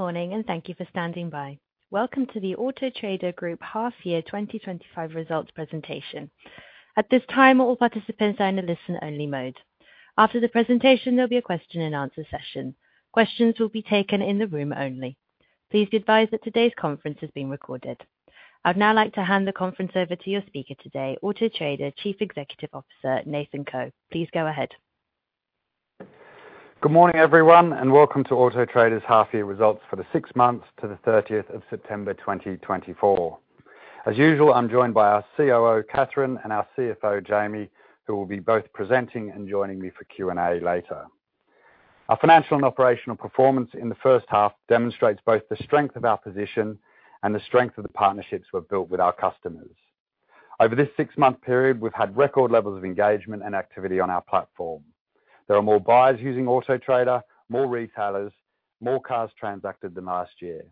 Good morning, and thank you for standing by. Welcome to the Auto Trader Group half-year 2025 results presentation. At this time, all participants are in a listen-only mode. After the presentation, there'll be a question-and-answer session. Questions will be taken in the room only. Please be advised that today's conference is being recorded. I'd now like to hand the conference over to your speaker today, Auto Trader Chief Executive Officer, Nathan Coe. Please go ahead. Good morning, everyone, and welcome to Auto Trader's half-year results for the six months to the 30th of September 2024. As usual, I'm joined by our COO, Catherine, and our CFO, Jamie, who will be both presenting and joining me for Q&A later. Our financial and operational performance in the first half demonstrates both the strength of our position and the strength of the partnerships we've built with our customers. Over this six-month period, we've had record levels of engagement and activity on our platform. There are more buyers using Auto Trader, more retailers, and more cars transacted than last year.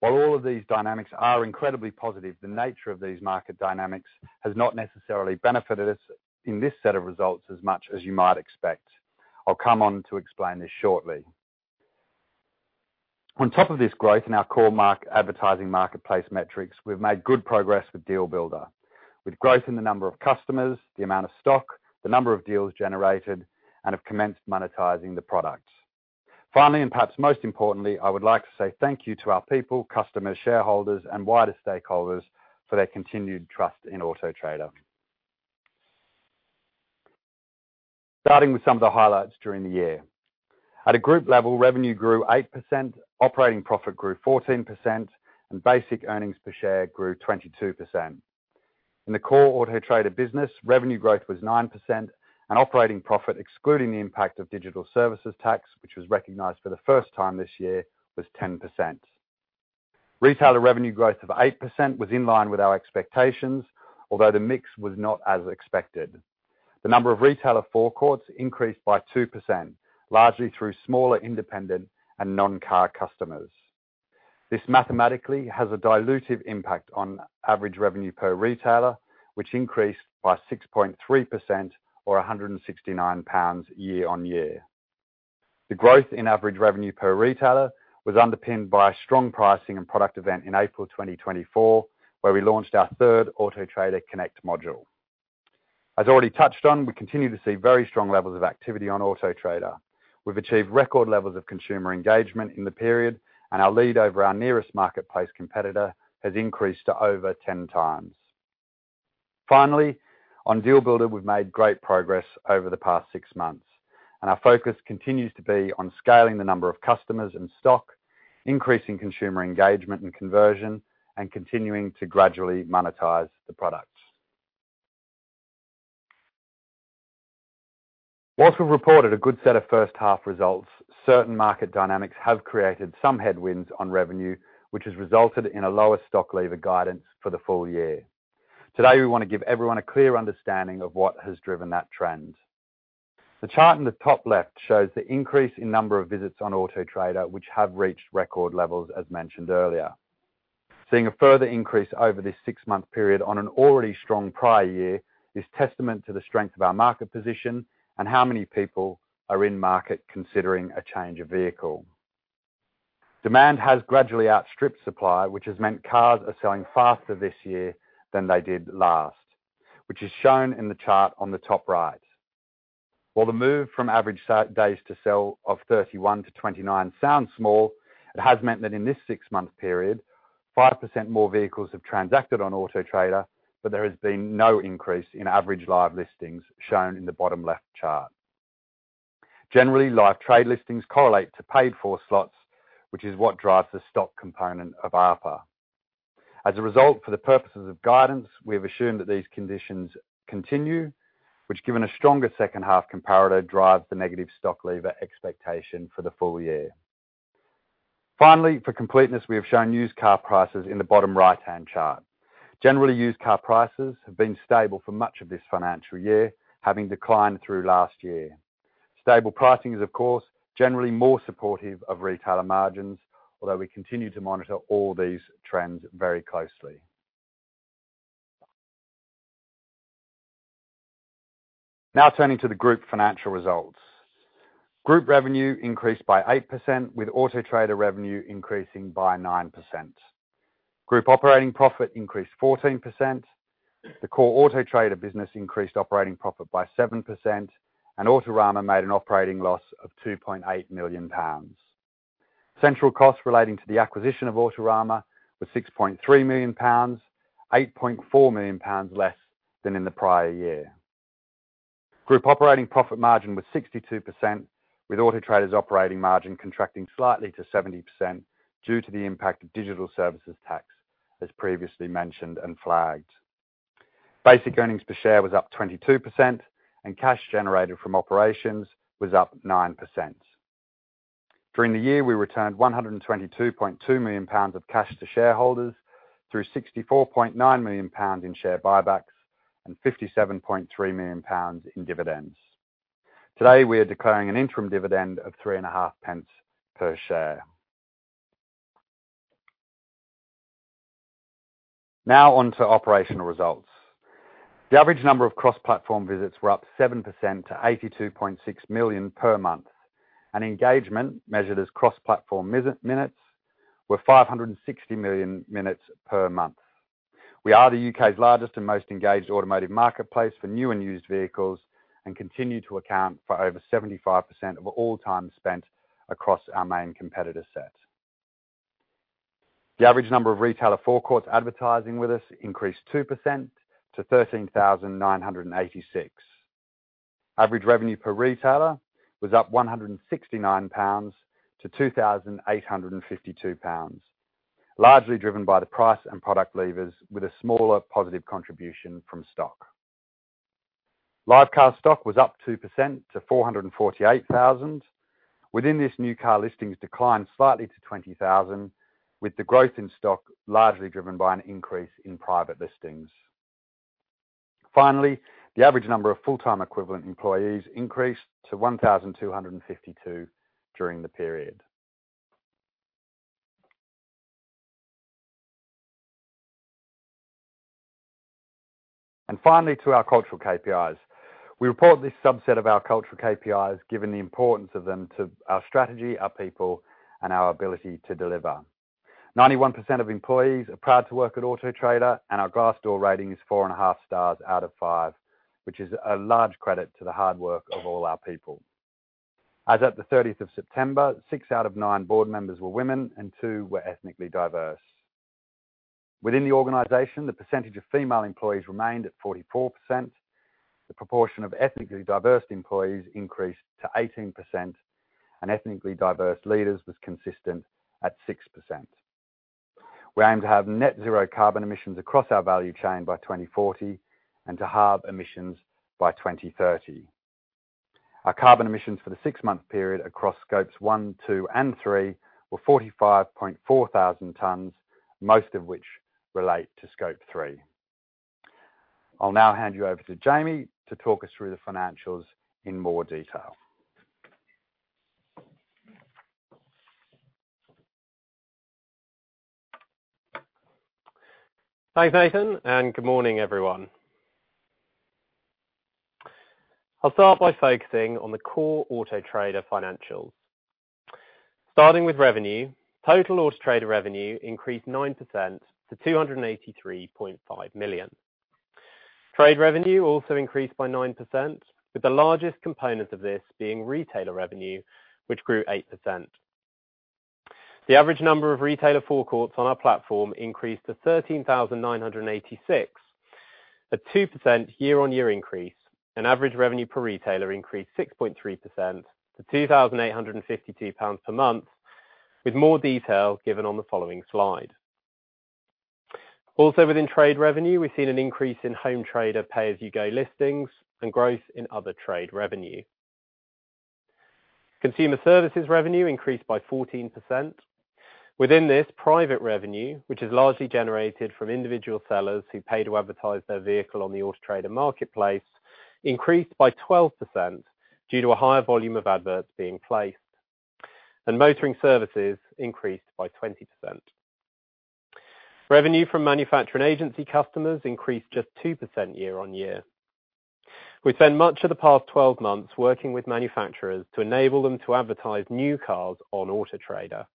While all of these dynamics are incredibly positive, the nature of these market dynamics has not necessarily benefited us in this set of results as much as you might expect. I'll come on to explain this shortly. On top of this growth in our core advertising marketplace metrics, we've made good progress with DealBuilder, with growth in the number of customers, the amount of stock, the number of deals generated, and have commenced monetizing the products. Finally, and perhaps most importantly, I would like to say thank you to our people, customers, shareholders, and wider stakeholders for their continued trust in Auto Trader. Starting with some of the highlights during the year, at a group level, revenue grew 8%, operating profit grew 14%, and basic earnings per share grew 22%. In the core Auto Trader business, revenue growth was 9%, and operating profit, excluding the impact of digital services tax, which was recognized for the first time this year, was 10%. Retailer revenue growth of 8% was in line with our expectations, although the mix was not as expected. The number of retailer forecourts increased by 2%, largely through smaller independent and non-car customers. This mathematically has a dilutive impact on average revenue per retailer, which increased by 6.3%, o 169 pounds year on year. The growth in average revenue per retailer was underpinned by a strong pricing and product event in April 2024, where we launched our third Auto Trader Connect module. As already touched on, we continue to see very strong levels of activity on Auto Trader. We've achieved record levels of consumer engagement in the period, and our lead over our nearest marketplace competitor has increased to over 10 times. Finally, on DealBuilder, we've made great progress over the past six months, and our focus continues to be on scaling the number of customers and stock, increasing consumer engagement and conversion, and continuing to gradually monetize the products. While we've reported a good set of first-half results, certain market dynamics have created some headwinds on revenue, which has resulted in a lower stock lever guidance for the full year. Today, we want to give everyone a clear understanding of what has driven that trend. The chart in the top left shows the increase in number of visits on Auto Trader, which have reached record levels, as mentioned earlier. Seeing a further increase over this six-month period on an already strong prior year is testament to the strength of our market position and how many people are in market considering a change of vehicle. Demand has gradually outstripped supply, which has meant cars are selling faster this year than they did last, which is shown in the chart on the top right. While the move from average days to sell of 31 to 29 sounds small, it has meant that in this six-month period, 5% more vehicles have transacted on Auto Trader, but there has been no increase in average live listings shown in the bottom-left chart. Generally, live trader listings correlate to paid-for slots, which is what drives the stock component of ARPA. As a result, for the purposes of guidance, we have assumed that these conditions continue, which, given a stronger second-half comparator, drives the negative stock lever expectation for the full year. Finally, for completeness, we have shown used car prices in the bottom right-hand chart. Generally, used car prices have been stable for much of this financial year, having declined through last year. Stable pricing is, of course, generally more supportive of retailer margins, although we continue to monitor all these trends very closely. Now turning to the group financial results. Group revenue increased by 8%, with Auto Trader revenue increasing by 9%. Group operating profit increased 14%. The core Auto Trader business increased operating profit by 7%, and Autorama made an operating loss of 2.8 million pounds. Central costs relating to the acquisition of Autorama were 6.3 million pounds, 8.4 million pounds less than in the prior year. Group operating profit margin was 62%, with Auto Trader's operating margin contracting slightly to 70% due to the impact of digital services tax, as previously mentioned and flagged. Basic earnings per share was up 22%, and cash generated from operations was up 9%. During the year, we returned 122.2 million pounds of cash to shareholders through 64.9 million pounds in share buybacks and 57.3 million pounds in dividends. Today, we are declaring an interim dividend of 3.50 per share. Now on to operational results. The average number of cross-platform visits were up 7% to 82.6 million per month, and engagement measured as cross-platform minutes were 560 million minutes per month. We are the U.K.'s largest and most engaged automotive marketplace for new and used vehicles and continue to account for over 75% of all time spent across our main competitor set. The average number of retailer forecourts advertising with us increased 2% to 13,986. Average revenue per retailer was up 169 pounds to 2,852 pounds, largely driven by the price and product levers, with a smaller positive contribution from stock. Live car stock was up 2% to 448,000. Within this, new car listings declined slightly to 20,000, with the growth in stock largely driven by an increase in private listings. Finally, the average number of full-time equivalent employees increased to 1,252 during the period. And finally, to our cultural KPIs. We report this subset of our cultural KPIs given the importance of them to our strategy, our people, and our ability to deliver. 91% of employees are proud to work at Auto Trader, and our Glassdoor rating is 4.5 stars out of 5, which is a large credit to the hard work of all our people. As of the 30th of September, six out of nine board members were women, and two were ethnically diverse. Within the organization, the percentage of female employees remained at 44%. The proportion of ethnically diverse employees increased to 18%, and ethnically diverse leaders was consistent at 6%. We aim to have net zero carbon emissions across our value chain by 2040 and to halve emissions by 2030. Our carbon emissions for the six-month period across Scopes 1, 2, and 3 were 45.4 thousand tons, most of which relate to Scope 3. I'll now hand you over to Jamie to talk us through the financials in more detail. Thanks, Nathan, and good morning, everyone. I'll start by focusing on the core Auto Trader financials. Starting with revenue, total Auto Trader revenue increased 9% to 283.5 million. Trade revenue also increased by 9%, with the largest component of this being retailer revenue, which grew 8%. The average number of retailer forecourts on our platform increased to 13,986, a 2% year-on-year increase, and average revenue per retailer increased 6.3% to 2,852 pounds per month, with more detail given on the following slide. Also, within trade revenue, we've seen an increase in home trader pay-as-you-go listings and growth in other trade revenue. Consumer services revenue increased by 14%. Within this, private revenue, which is largely generated from individual sellers who pay to advertise their vehicle on the Auto Trader marketplace, increased by 12% due to a higher volume of adverts being placed, and motoring services increased by 20%. Revenue from manufacturing agency customers increased just 2% year-on-year. We spent much of the past 12 months working with manufacturers to enable them to advertise new cars on Auto Trader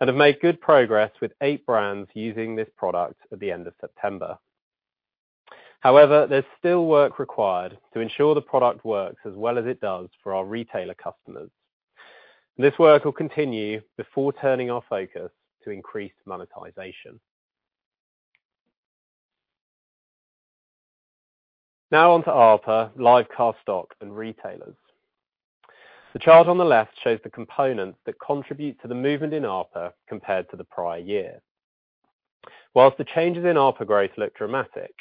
and have made good progress with eight brands using this product at the end of September. However, there's still work required to ensure the product works as well as it does for our retailer customers. This work will continue before turning our focus to increased monetization. Now on to ARPA, live car stock, and retailers. The chart on the left shows the components that contribute to the movement in ARPA compared to the prior year. While the changes in ARPA growth looked dramatic,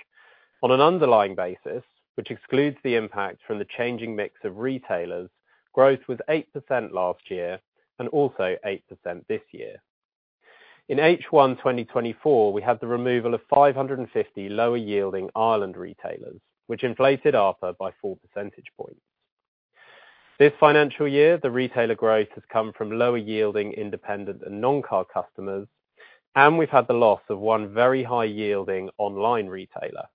on an underlying basis, which excludes the impact from the changing mix of retailers, growth was 8% last year and also 8% this year. In H1 2024, we had the removal of 550 lower-yielding Ireland retailers, which inflated ARPA by 4 percentage points. This financial year, the retailer growth has come from lower-yielding independent and non-car customers, and we've had the loss of one very high-yielding online retailer.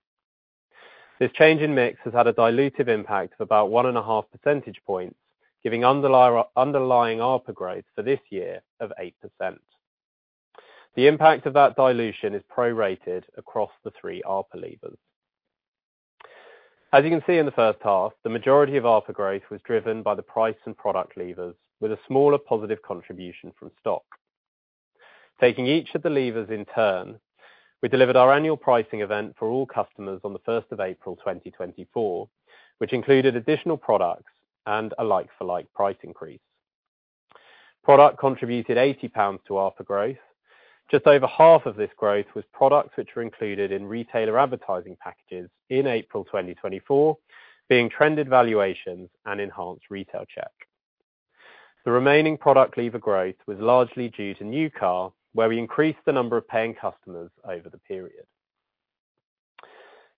This change in mix has had a dilutive impact of about 1.5 percentage points, giving underlying ARPA growth for this year of 8%. The impact of that dilution is prorated across the three ARPA levers. As you can see in the first half, the majority of ARPA growth was driven by the price and product levers, with a smaller positive contribution from stock. Taking each of the levers in turn, we delivered our annual pricing event for all customers on the 1st of April 2024, which included additional products and a like-for-like price increase. Product contributed 80 pounds to ARPA growth. Just over half of this growth was products which were included in retailer advertising packages in April 2024, being Trended Valuations and Enhanced Retail Check. The remaining product lever growth was largely due to New Car, where we increased the number of paying customers over the period.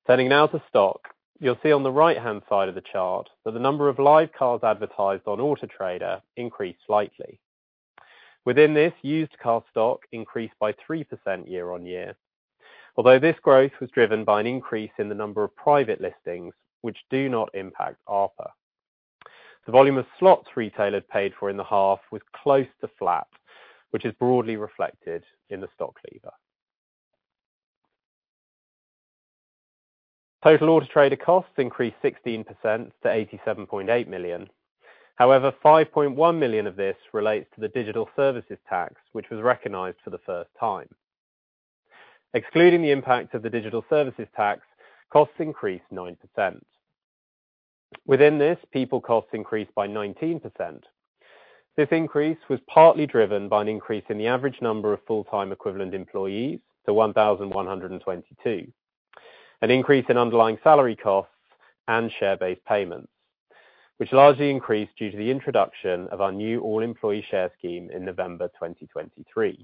Turning now to stock, you'll see on the right-hand side of the chart that the number of live cars advertised on Auto Trader increased slightly. Within this, used car stock increased by 3% year-on-year, although this growth was driven by an increase in the number of private listings, which do not impact ARPA. The volume of slots retailers paid for in the half was close to flat, which is broadly reflected in the stock lever. Total Auto Trader costs increased 16% to 87.8 million. However, 5.1 million of this relates to the Digital Services Tax, which was recognized for the first time. Excluding the impact of the digital services tax, costs increased 9%. Within this, people costs increased by 19%. This increase was partly driven by an increase in the average number of full-time equivalent employees to 1,122, an increase in underlying salary costs and share-based payments, which largely increased due to the introduction of our new all-employee share scheme in November 2023.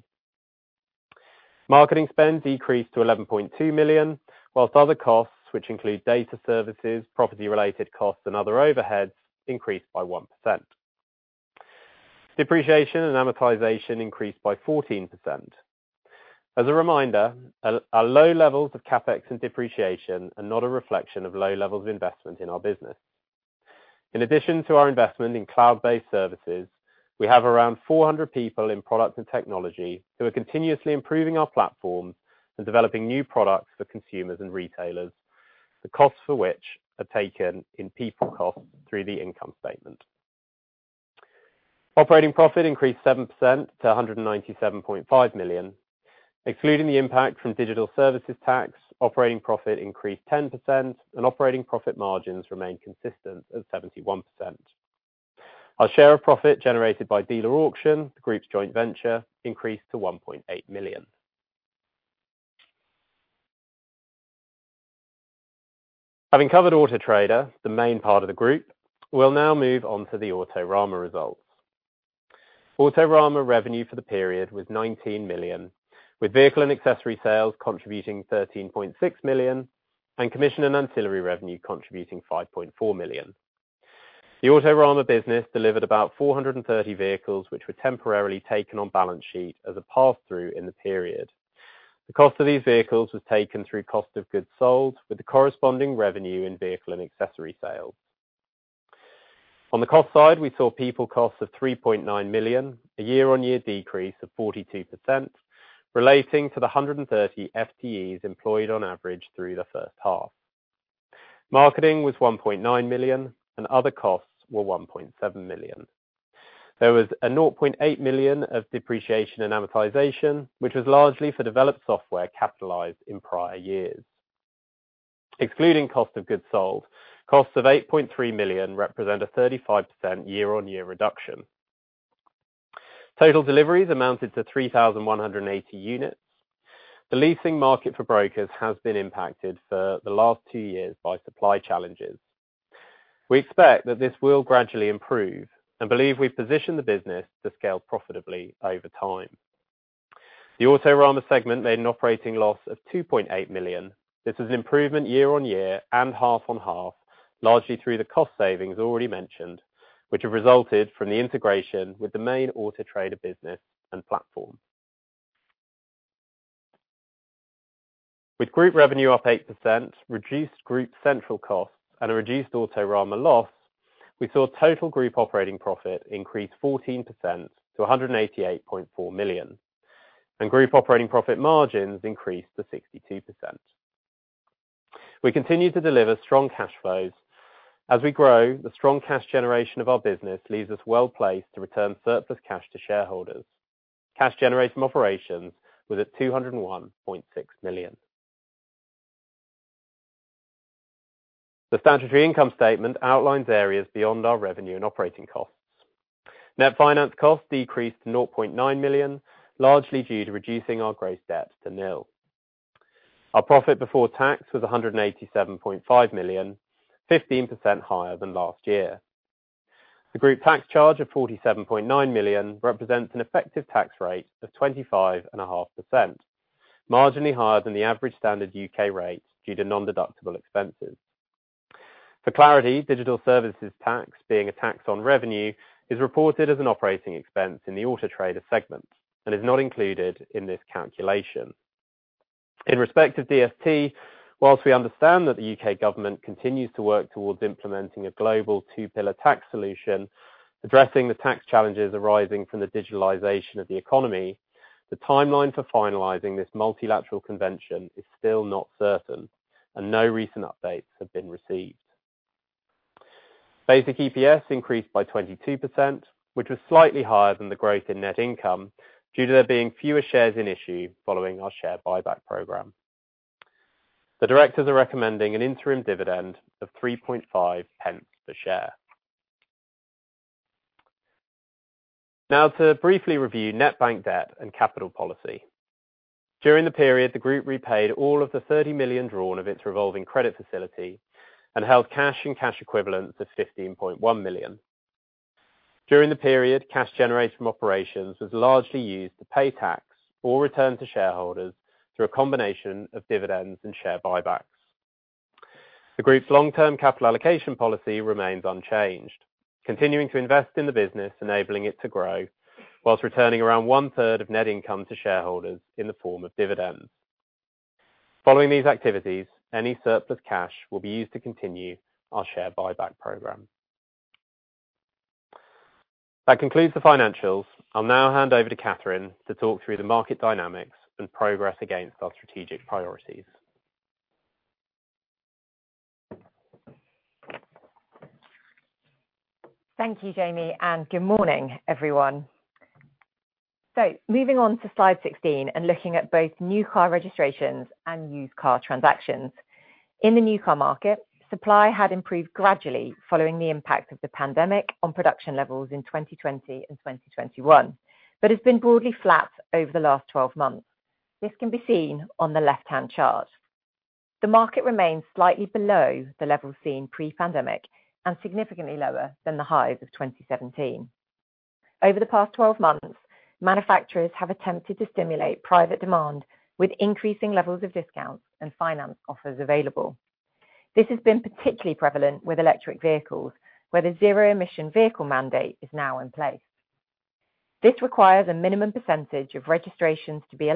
Marketing spend decreased to 11.2 million, whilst other costs, which include data services, property-related costs, and other overheads, increased by 1%. Depreciation and amortization increased by 14%. As a reminder, our low levels of CapEx and depreciation are not a reflection of low levels of investment in our business. In addition to our investment in cloud-based services, we have around 400 people in product and technology who are continuously improving our platforms and developing new products for consumers and retailers, the costs for which are taken in people costs through the income statement. Operating profit increased 7% to 197.5 million. Excluding the impact from Digital Services Tax, operating profit increased 10%, and operating profit margins remained consistent at 71%. Our share of profit generated by Dealer Auction, the group's joint venture, increased to 1.8 million. Having covered Auto Trader, the main part of the group, we'll now move on to the Autorama results. Autorama revenue for the period was 19 million, with vehicle and accessory sales contributing 13.6 million and commission and ancillary revenue contributing 5.4 million. The Autorama business delivered about 430 vehicles, which were temporarily taken on balance sheet as a pass-through in the period. The cost of these vehicles was taken through cost of goods sold, with the corresponding revenue in vehicle and accessory sales. On the cost side, we saw people costs of 3.9 million, a year-on-year decrease of 42%, relating to the 130 FTEs employed on average through the first half. Marketing was 1.9 million, and other costs were 1.7 million. There was a 0.8 million of depreciation and amortization, which was largely for developed software capitalized in prior years. Excluding cost of goods sold, costs of 8.3 million represent a 35% year-on-year reduction. Total deliveries amounted to 3,180 units. The leasing market for brokers has been impacted for the last two years by supply challenges. We expect that this will gradually improve and believe we've positioned the business to scale profitably over time. The Autorama segment made an operating loss of 2.8 million. This was an improvement year-on-year and half-on-half, largely through the cost savings already mentioned, which have resulted from the integration with the main Auto Trader business and platform. With group revenue up 8%, reduced group central costs, and a reduced Autorama loss, we saw total group operating profit increase 14% to 188.4 million, and group operating profit margins increased to 62%. We continue to deliver strong cash flows. As we grow, the strong cash generation of our business leaves us well placed to return surplus cash to shareholders. Cash generation operations was at 201.6 million. The statutory income statement outlines areas beyond our revenue and operating costs. Net finance costs decreased to 0.9 million, largely due to reducing our gross debt to nil. Our profit before tax was 187.5 million, 15% higher than last year. The group tax charge of 47.9 million represents an effective tax rate of 25.5%, marginally higher than the average standard U.K. rate due to non-deductible expenses. For clarity, digital services tax, being a tax on revenue, is reported as an operating expense in the Auto Trader segment and is not included in this calculation. In respect of DST, whilst we understand that the U.K. government continues to work towards implementing a global two-pillar tax solution, addressing the tax challenges arising from the digitalization of the economy, the timeline for finalizing this multilateral convention is still not certain, and no recent updates have been received. Basic EPS increased by 22%, which was slightly higher than the growth in net income due to there being fewer shares in issue following our share buyback program. The directors are recommending an interim dividend of 3.5 pence per share. Now, to briefly review net bank debt and capital policy. During the period, the group repaid all of the 30 million drawn of its revolving credit facility and held cash and cash equivalents of 15.1 million. During the period, cash generated from operations was largely used to pay tax or return to shareholders through a combination of dividends and share buybacks. The group's long-term capital allocation policy remains unchanged, continuing to invest in the business, enabling it to grow, while returning around one-third of net income to shareholders in the form of dividends. Following these activities, any surplus cash will be used to continue our share buyback program. That concludes the financials. I'll now hand over to Catherine to talk through the market dynamics and progress against our strategic priorities. Thank you, Jamie, and good morning, everyone. So, moving on to slide 16 and looking at both new car registrations and used car transactions. In the new car market, supply had improved gradually following the impact of the pandemic on production levels in 2020 and 2021, but has been broadly flat over the last 12 months. This can be seen on the left-hand chart. The market remains slightly below the levels seen pre-pandemic and significantly lower than the highs of 2017. Over the past 12 months, manufacturers have attempted to stimulate private demand with increasing levels of discounts and finance offers available. This has been particularly prevalent with electric vehicles, where the zero-emission vehicle mandate is now in place. This requires a minimum percentage of registrations to be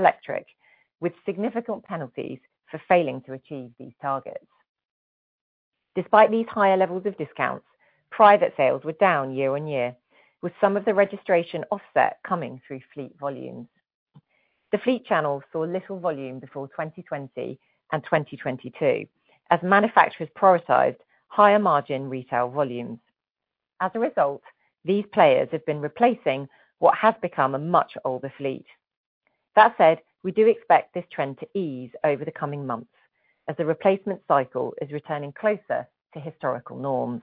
electric, with significant penalties for failing to achieve these targets. Despite these higher levels of discounts, private sales were down year-on-year, with some of the registration offset coming through fleet volumes. The fleet channel saw little volume before 2020 and 2022, as manufacturers prioritized higher margin retail volumes. As a result, these players have been replacing what has become a much older fleet. That said, we do expect this trend to ease over the coming months as the replacement cycle is returning closer to historical norms.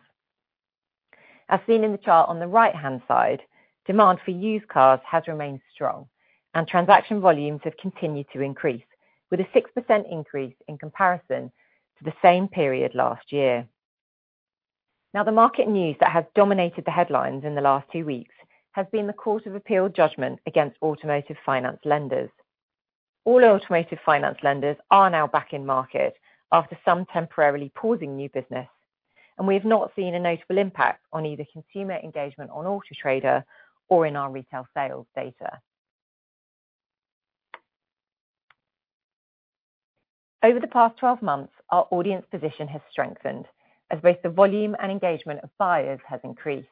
As seen in the chart on the right-hand side, demand for used cars has remained strong, and transaction volumes have continued to increase, with a 6% increase in comparison to the same period last year. Now, the market news that has dominated the headlines in the last two weeks has been the Court of Appeal judgment against automotive finance lenders. All automotive finance lenders are now back in market after some temporarily pausing new business, and we have not seen a notable impact on either consumer engagement on Auto Trader or in our retail sales data. Over the past 12 months, our audience position has strengthened as both the volume and engagement of buyers has increased.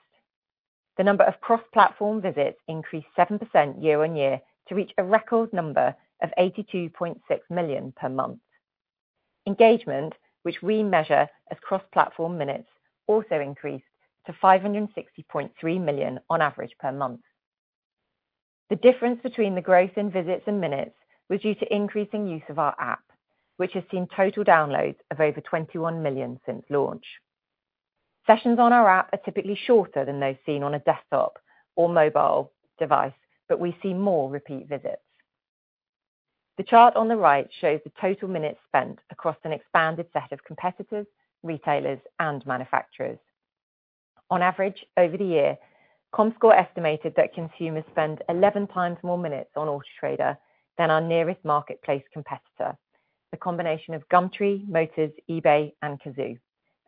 The number of cross-platform visits increased 7% year-on-year to reach a record number of 82.6 million per month. Engagement, which we measure as cross-platform minutes, also increased to 560.3 million on average per month. The difference between the growth in visits and minutes was due to increasing use of our app, which has seen total downloads of over 21 million since launch. Sessions on our app are typically shorter than those seen on a desktop or mobile device, but we see more repeat visits. The chart on the right shows the total minutes spent across an expanded set of competitors, retailers, and manufacturers. On average, over the year, Comscore estimated that consumers spend 11 times more minutes on Auto Trader than our nearest marketplace competitor, the combination of Gumtree, Motors, eBay, and Cazoo,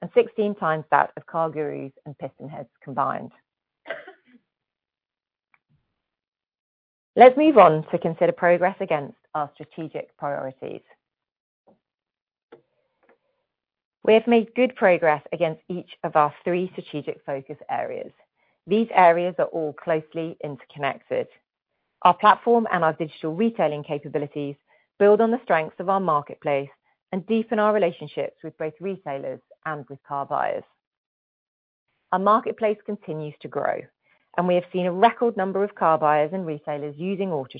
and 16 times that of CarGurus and PistonHeads combined. Let's move on to consider progress against our strategic priorities. We have made good progress against each of our three strategic focus areas. These areas are all closely interconnected. Our platform and our digital retailing capabilities build on the strengths of our marketplace and deepen our relationships with both retailers and with car buyers. Our marketplace continues to grow, and we have seen a record number of car buyers and retailers using Auto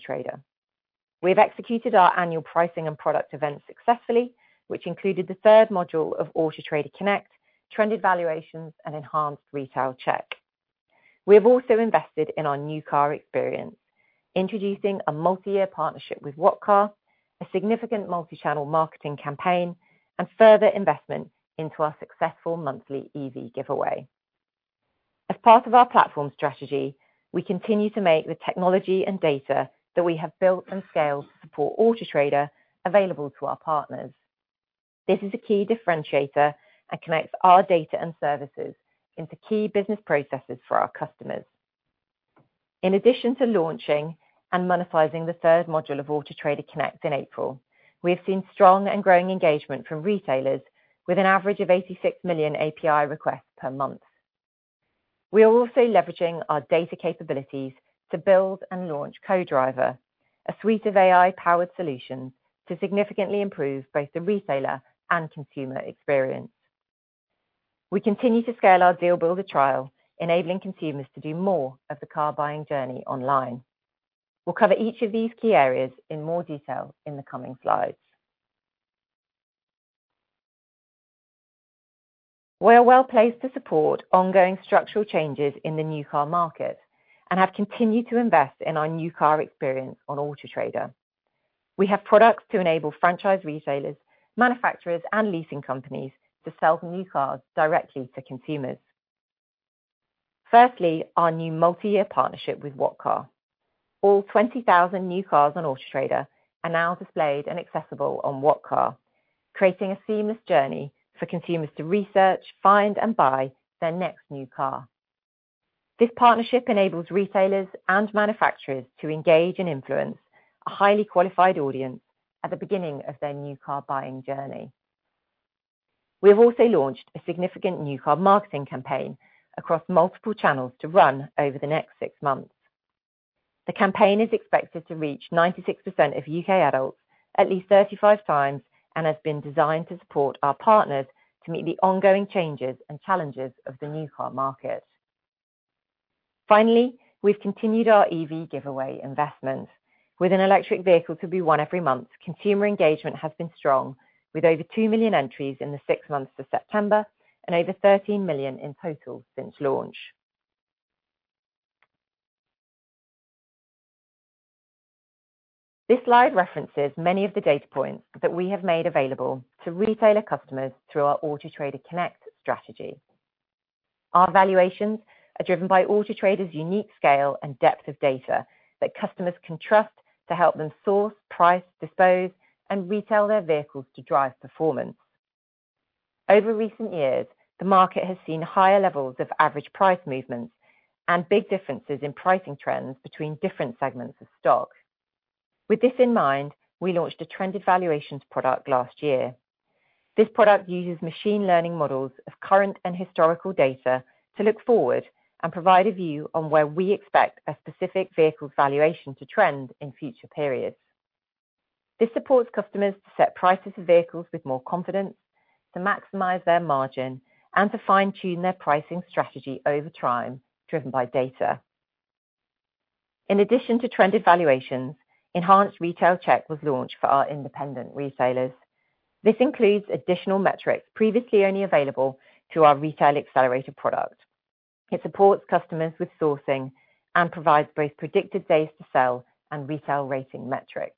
Trader. We have executed our annual pricing and product events successfully, which included the third module of Auto Trader Connect, Trended Valuations, and Enhanced Retail Check. We have also invested in our new car experience, introducing a multi-year partnership with What Car?, a significant multi-channel marketing campaign, and further investment into our successful monthly EV giveaway. As part of our platform strategy, we continue to make the technology and data that we have built and scaled to support Auto Trader available to our partners. This is a key differentiator and connects our data and services into key business processes for our customers. In addition to launching and monetizing the third module of Auto Trader Connect in April, we have seen strong and growing engagement from retailers with an average of 86 million API requests per month. We are also leveraging our data capabilities to build and launch Co-Driver, a suite of AI-powered solutions to significantly improve both the retailer and consumer experience. We continue to scale our DealBuilder trial, enabling consumers to do more of the car buying journey online. We'll cover each of these key areas in more detail in the coming slides. We are well placed to support ongoing structural changes in the new car market and have continued to invest in our new car experience on Auto Trader. We have products to enable franchise retailers, manufacturers, and leasing companies to sell new cars directly to consumers. Firstly, our new multi-year partnership with What Car?. All 20,000 new cars on Auto Trader are now displayed and accessible on What Car?, creating a seamless journey for consumers to research, find, and buy their next new car. This partnership enables retailers and manufacturers to engage and influence a highly qualified audience at the beginning of their new car buying journey. We have also launched a significant new car marketing campaign across multiple channels to run over the next six months. The campaign is expected to reach 96% of U.K. adults at least 35 times and has been designed to support our partners to meet the ongoing changes and challenges of the new car market. Finally, we've continued our EV giveaway investment. With an electric vehicle to be won every month, consumer engagement has been strong, with over 2 million entries in the six months to September and over 13 million in total since launch. This slide references many of the data points that we have made available to retailer customers through our Auto Trader Connect strategy. Our valuations are driven by Auto Trader's unique scale and depth of data that customers can trust to help them source, price, dispose, and retail their vehicles to drive performance. Over recent years, the market has seen higher levels of average price movements and big differences in pricing trends between different segments of stock. With this in mind, we launched a Trended Valuations product last year. This product uses machine learning models of current and historical data to look forward and provide a view on where we expect a specific vehicle's valuation to trend in future periods. This supports customers to set prices for vehicles with more confidence, to maximize their margin, and to fine-tune their pricing strategy over time driven by data. In addition to Trended Valuations, Enhanced Retail Check was launched for our independent retailers. This includes additional metrics previously only available through our Retail Accelerator product. It supports customers with sourcing and provides both predicted days to sell and retail rating metrics.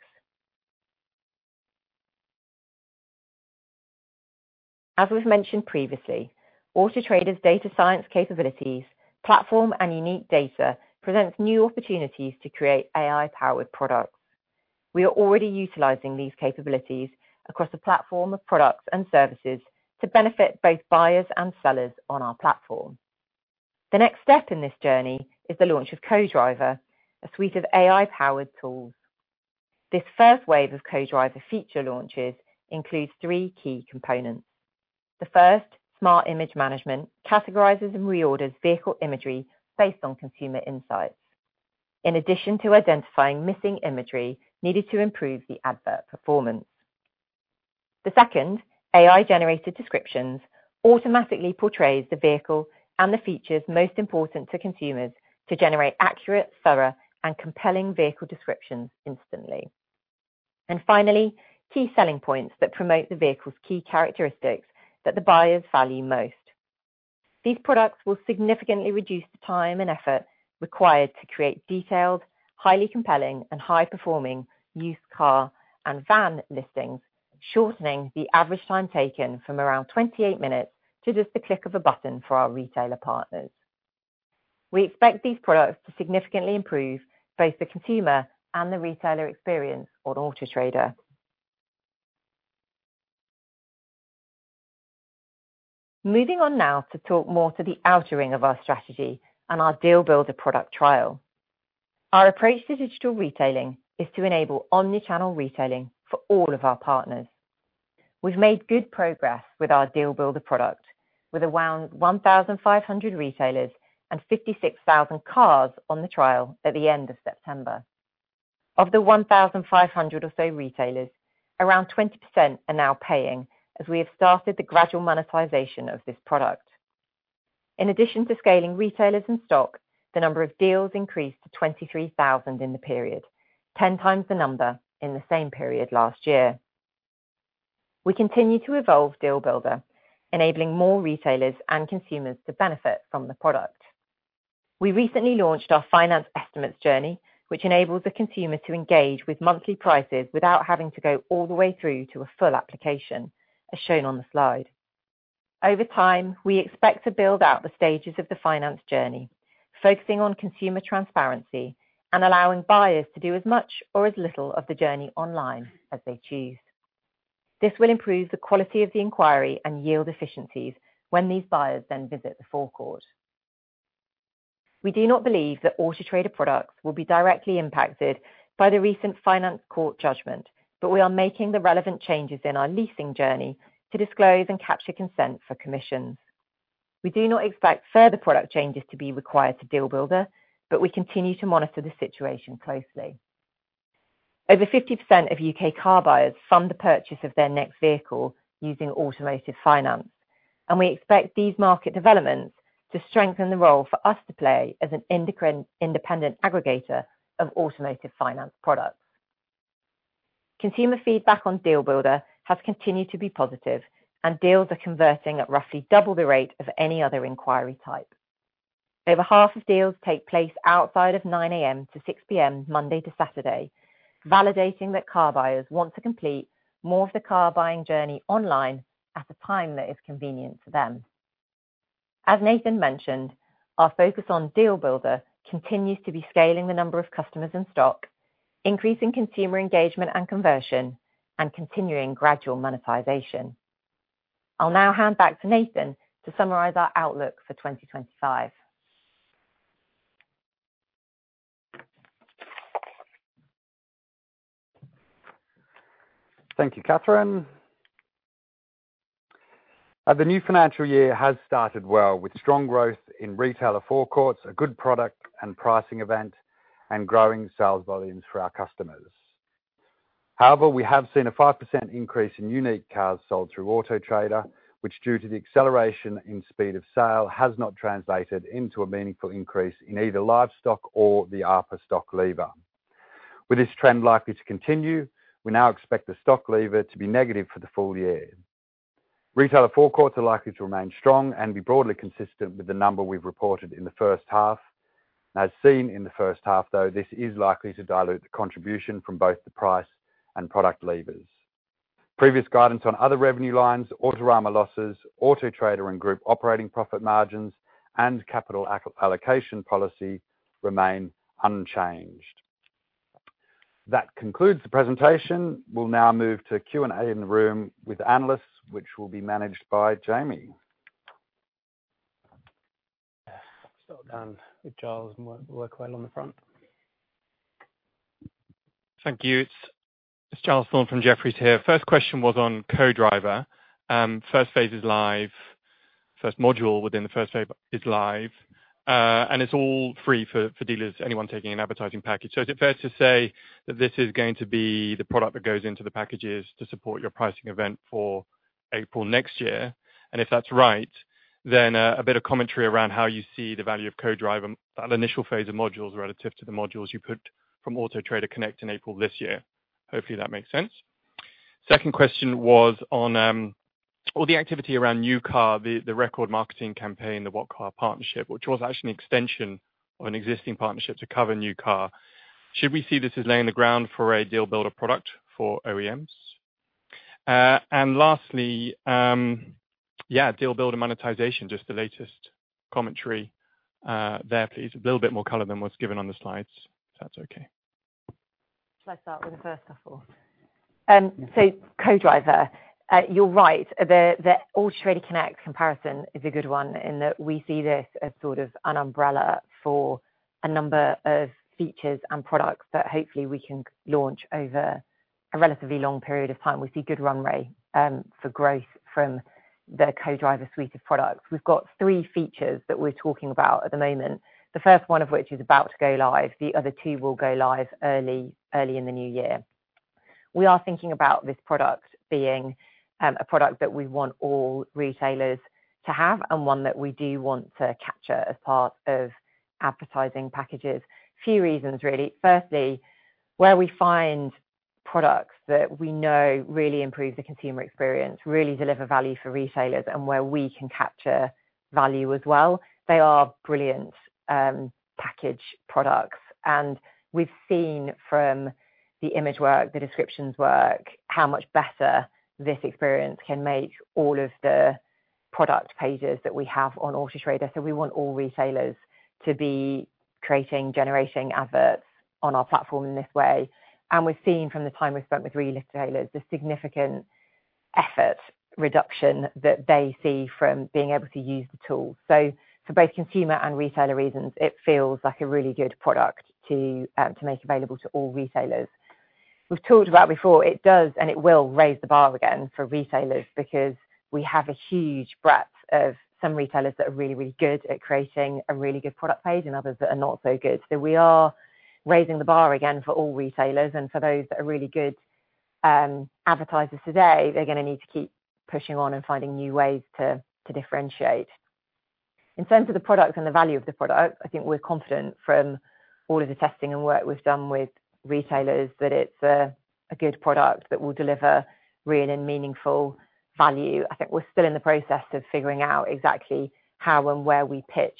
As we've mentioned previously, Auto Trader's data science capabilities, platform, and unique data presents new opportunities to create AI-powered products. We are already utilizing these capabilities across a platform of products and services to benefit both buyers and sellers on our platform. The next step in this journey is the launch of Co-Driver, a suite of AI-powered tools. This first wave of Co-Driver feature launches includes three key components. The first, Smart Image Management, categorizes and reorders vehicle imagery based on consumer insights, in addition to identifying missing imagery needed to improve the advert performance. The second, AI-generated descriptions, automatically portrays the vehicle and the features most important to consumers to generate accurate, thorough, and compelling vehicle descriptions instantly. And finally, key selling points that promote the vehicle's key characteristics that the buyers value most. These products will significantly reduce the time and effort required to create detailed, highly compelling, and high-performing used car and van listings, shortening the average time taken from around 28 minutes to just the click of a button for our retailer partners. We expect these products to significantly improve both the consumer and the retailer experience on Auto Trader. Moving on now to talk more to the outer ring of our strategy and our DealBuilder product trial. Our approach to digital retailing is to enable omnichannel retailing for all of our partners. We've made good progress with our DealBuilder product, with around 1,500 retailers and 56,000 cars on the trial at the end of September. Of the 1,500 or so retailers, around 20% are now paying as we have started the gradual monetization of this product. In addition to scaling retailers and stock, the number of deals increased to 23,000 in the period, 10 times the number in the same period last year. We continue to evolve DealBuilder, enabling more retailers and consumers to benefit from the product. We recently launched our finance estimates journey, which enables the consumer to engage with monthly prices without having to go all the way through to a full application, as shown on the slide. Over time, we expect to build out the stages of the finance journey, focusing on consumer transparency and allowing buyers to do as much or as little of the journey online as they choose. This will improve the quality of the inquiry and yield efficiencies when these buyers then visit the forecourt. We do not believe that Auto Trader products will be directly impacted by the recent finance court judgment, but we are making the relevant changes in our leasing journey to disclose and capture consent for commissions. We do not expect further product changes to be required to DealBuilder, but we continue to monitor the situation closely. Over 50% of U.K. car buyers fund the purchase of their next vehicle using automotive finance, and we expect these market developments to strengthen the role for us to play as an independent aggregator of automotive finance products. Consumer feedback on DealBuilder has continued to be positive, and deals are converting at roughly double the rate of any other inquiry type. Over half of deals take place outside of 9:00 A.M. to 6:00 P.M. Monday to Saturday, validating that car buyers want to complete more of the car buying journey online at a time that is convenient to them. As Nathan mentioned, our focus on DealBuilder continues to be scaling the number of customers in stock, increasing consumer engagement and conversion, and continuing gradual monetization. I'll now hand back to Nathan to summarize our outlook for 2025. Thank you, Catherine. The new financial year has started well with strong growth in retailer forecourts, a good product and pricing event, and growing sales volumes for our customers. However, we have seen a 5% increase in unique cars sold through Auto Trader, which, due to the acceleration in speed of sale, has not translated into a meaningful increase in either stock or the ARPA stock lever. With this trend likely to continue, we now expect the stock lever to be negative for the full year. Retailer forecourts are likely to remain strong and be broadly consistent with the number we've reported in the first half. As seen in the first half, though, this is likely to dilute the contribution from both the price and product levers. Previous guidance on other revenue lines, Autorama losses, Auto Trader and group operating profit margins, and capital allocation policy remain unchanged. That concludes the presentation. We'll now move to Q&A in the room with analysts, which will be managed by Jamie. We'll start with Charles and work our way around the front. Thank you. It's Charles Thorne from Jefferies here. First question was on Co-Driver. First phase is live. First module within the first phase is live. And it's all free for dealers, anyone taking an advertising package. So is it fair to say that this is going to be the product that goes into the packages to support your pricing event for April next year? And if that's right, then a bit of commentary around how you see the value of Co-Driver, that initial phase of modules relative to the modules you put from Auto Trader Connect in April this year. Hopefully, that makes sense. Second question was on all the activity around new car, the record marketing campaign, the What Car? partnership, which was actually an extension of an existing partnership to cover new car. Should we see this as laying the ground for a DealBuilder product for OEMs? And lastly, yeah, DealBuilder monetization, just the latest commentary there, please. A little bit more color than what's given on the slides, if that's okay. Shall I start with the first couple? So Co-Driver, you're right. The Auto Trader Connect comparison is a good one in that we see this as sort of an umbrella for a number of features and products that hopefully we can launch over a relatively long period of time. We see good runway for growth from the Co-Driver suite of products. We've got three features that we're talking about at the moment, the first one of which is about to go live. The other two will go live early in the new year. We are thinking about this product being a product that we want all retailers to have and one that we do want to capture as part of advertising packages. A few reasons, really. Firstly, where we find products that we know really improve the consumer experience, really deliver value for retailers, and where we can capture value as well. They are brilliant package products. We've seen from the image work, the descriptions work, how much better this experience can make all of the product pages that we have on Auto Trader. We want all retailers to be creating, generating adverts on our platform in this way. We've seen from the time we've spent with retailers the significant effort reduction that they see from being able to use the tool. For both consumer and retailer reasons, it feels like a really good product to make available to all retailers. We've talked about before, it does and it will raise the bar again for retailers because we have a huge breadth of some retailers that are really, really good at creating a really good product page and others that are not so good. We are raising the bar again for all retailers. For those that are really good advertisers today, they're going to need to keep pushing on and finding new ways to differentiate. In terms of the product and the value of the product, I think we're confident from all of the testing and work we've done with retailers that it's a good product that will deliver real and meaningful value. I think we're still in the process of figuring out exactly how and where we pitch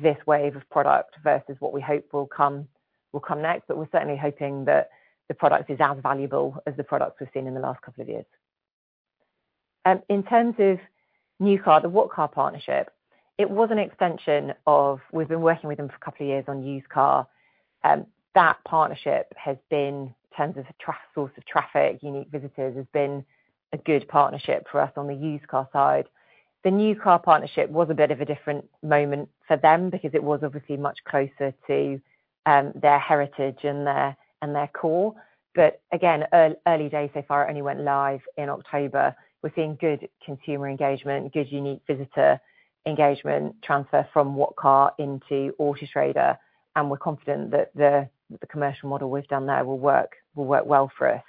this wave of product versus what we hope will come next. But we're certainly hoping that the product is as valuable as the products we've seen in the last couple of years. In terms of new car, the What Car? partnership, it was an extension of we've been working with them for a couple of years on used car. That partnership has been in terms of source of traffic, unique visitors, has been a good partnership for us on the used car side. The new car partnership was a bit of a different moment for them because it was obviously much closer to their heritage and their core, but again, early days so far only went live in October. We're seeing good consumer engagement, good unique visitor engagement transfer from What Car? into Auto Trader, and we're confident that the commercial model we've done there will work well for us.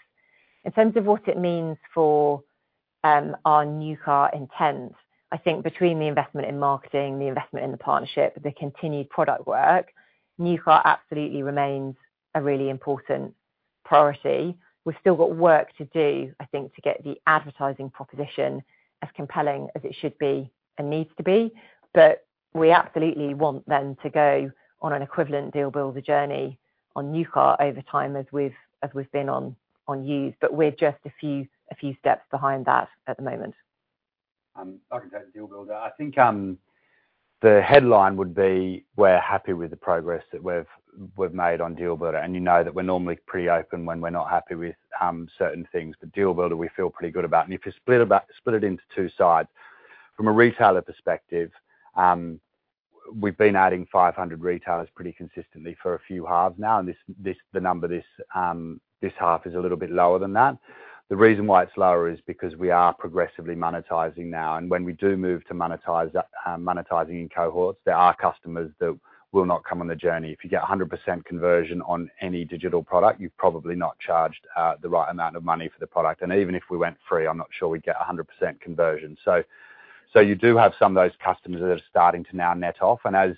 In terms of what it means for our new car intent, I think between the investment in marketing, the investment in the partnership, the continued product work, new car absolutely remains a really important priority. We've still got work to do, I think, to get the advertising proposition as compelling as it should be and needs to be. But we absolutely want them to go on an equivalent DealBuilder journey on new car over time as we've been on used. But we're just a few steps behind that at the moment. I can take the DealBuilder. I think the headline would be, "We're happy with the progress that we've made on DealBuilder." And you know that we're normally pretty open when we're not happy with certain things. But DealBuilder, we feel pretty good about. And if you split it into two sides, from a retailer perspective, we've been adding 500 retailers pretty consistently for a few halves now. And the number this half is a little bit lower than that. The reason why it's lower is because we are progressively monetizing now. And when we do move to monetizing in cohorts, there are customers that will not come on the journey. If you get 100% conversion on any digital product, you've probably not charged the right amount of money for the product, and even if we went free, I'm not sure we'd get 100% conversion, so you do have some of those customers that are starting to now net off, and as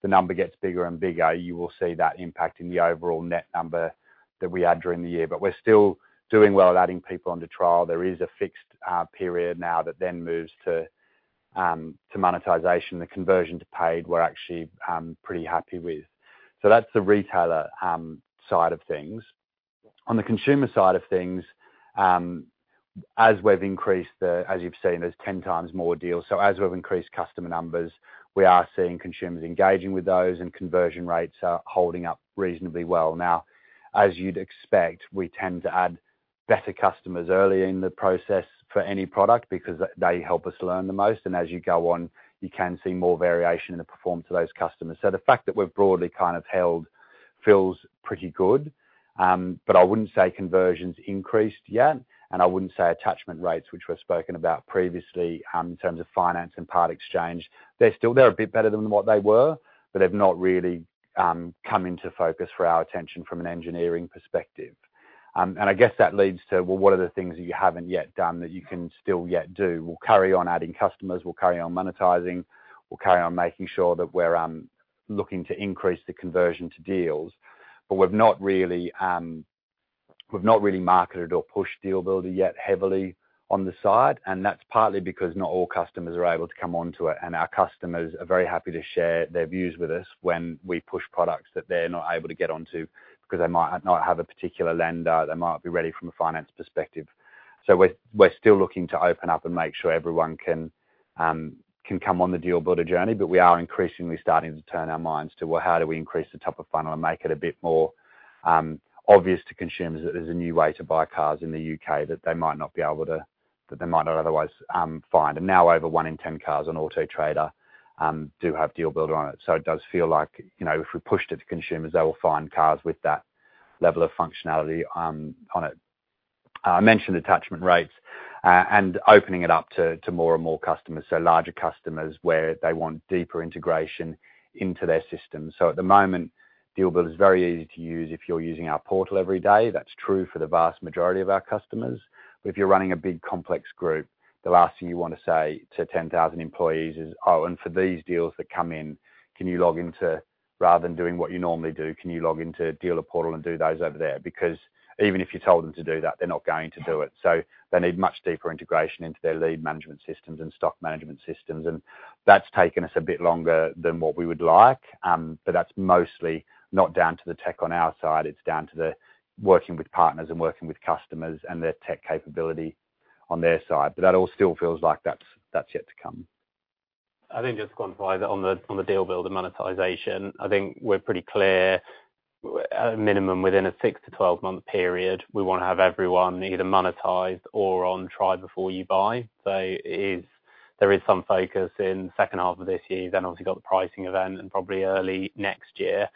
the number gets bigger and bigger, you will see that impacting the overall net number that we add during the year, but we're still doing well at adding people onto trial. There is a fixed period now that then moves to monetization. The conversion to paid we're actually pretty happy with, so that's the retailer side of things. On the consumer side of things, as we've increased the, as you've seen, there's 10 times more deals, so as we've increased customer numbers, we are seeing consumers engaging with those, and conversion rates are holding up reasonably well. Now, as you'd expect, we tend to add better customers early in the process for any product because they help us learn the most. And as you go on, you can see more variation in the performance of those customers. So the fact that we've broadly kind of held feels pretty good. But I wouldn't say conversions increased yet. And I wouldn't say attachment rates, which we've spoken about previously in terms of finance and part exchange, they're a bit better than what they were, but they've not really come into focus for our attention from an engineering perspective. And I guess that leads to, well, what are the things that you haven't yet done that you can still yet do? We'll carry on adding customers. We'll carry on monetizing. We'll carry on making sure that we're looking to increase the conversion to deals. We've not really marketed or pushed DealBuilder yet heavily on the side. That's partly because not all customers are able to come onto it. Our customers are very happy to share their views with us when we push products that they're not able to get onto because they might not have a particular lender. They might not be ready from a finance perspective. We're still looking to open up and make sure everyone can come on the DealBuilder journey. We are increasingly starting to turn our minds to how do we increase the top of funnel and make it a bit more obvious to consumers that there's a new way to buy cars in the U.K. that they might not be able to, that they might not otherwise find. Now over one in 10 cars on Auto Trader do have DealBuilder on it. So it does feel like if we pushed it to consumers, they will find cars with that level of functionality on it. I mentioned attachment rates and opening it up to more and more customers, so larger customers where they want deeper integration into their system. So at the moment, DealBuilder is very easy to use if you're using our portal every day. That's true for the vast majority of our customers. But if you're running a big complex group, the last thing you want to say to 10,000 employees is, "Oh, and for these deals that come in, can you log into rather than doing what you normally do, can you log into Trader Portal and do those over there?" Because even if you told them to do that, they're not going to do it. They need much deeper integration into their lead management systems and stock management systems. And that's taken us a bit longer than what we would like. But that's mostly not down to the tech on our side. It's down to the working with partners and working with customers and their tech capability on their side. But that all still feels like that's yet to come. I think just to quantify that on the DealBuilder monetization, I think we're pretty clear, at a minimum, within a six- to 12-month period, we want to have everyone either monetized or on try before you buy. So there is some focus in the second half of this year, then obviously got the pricing event and probably early next year.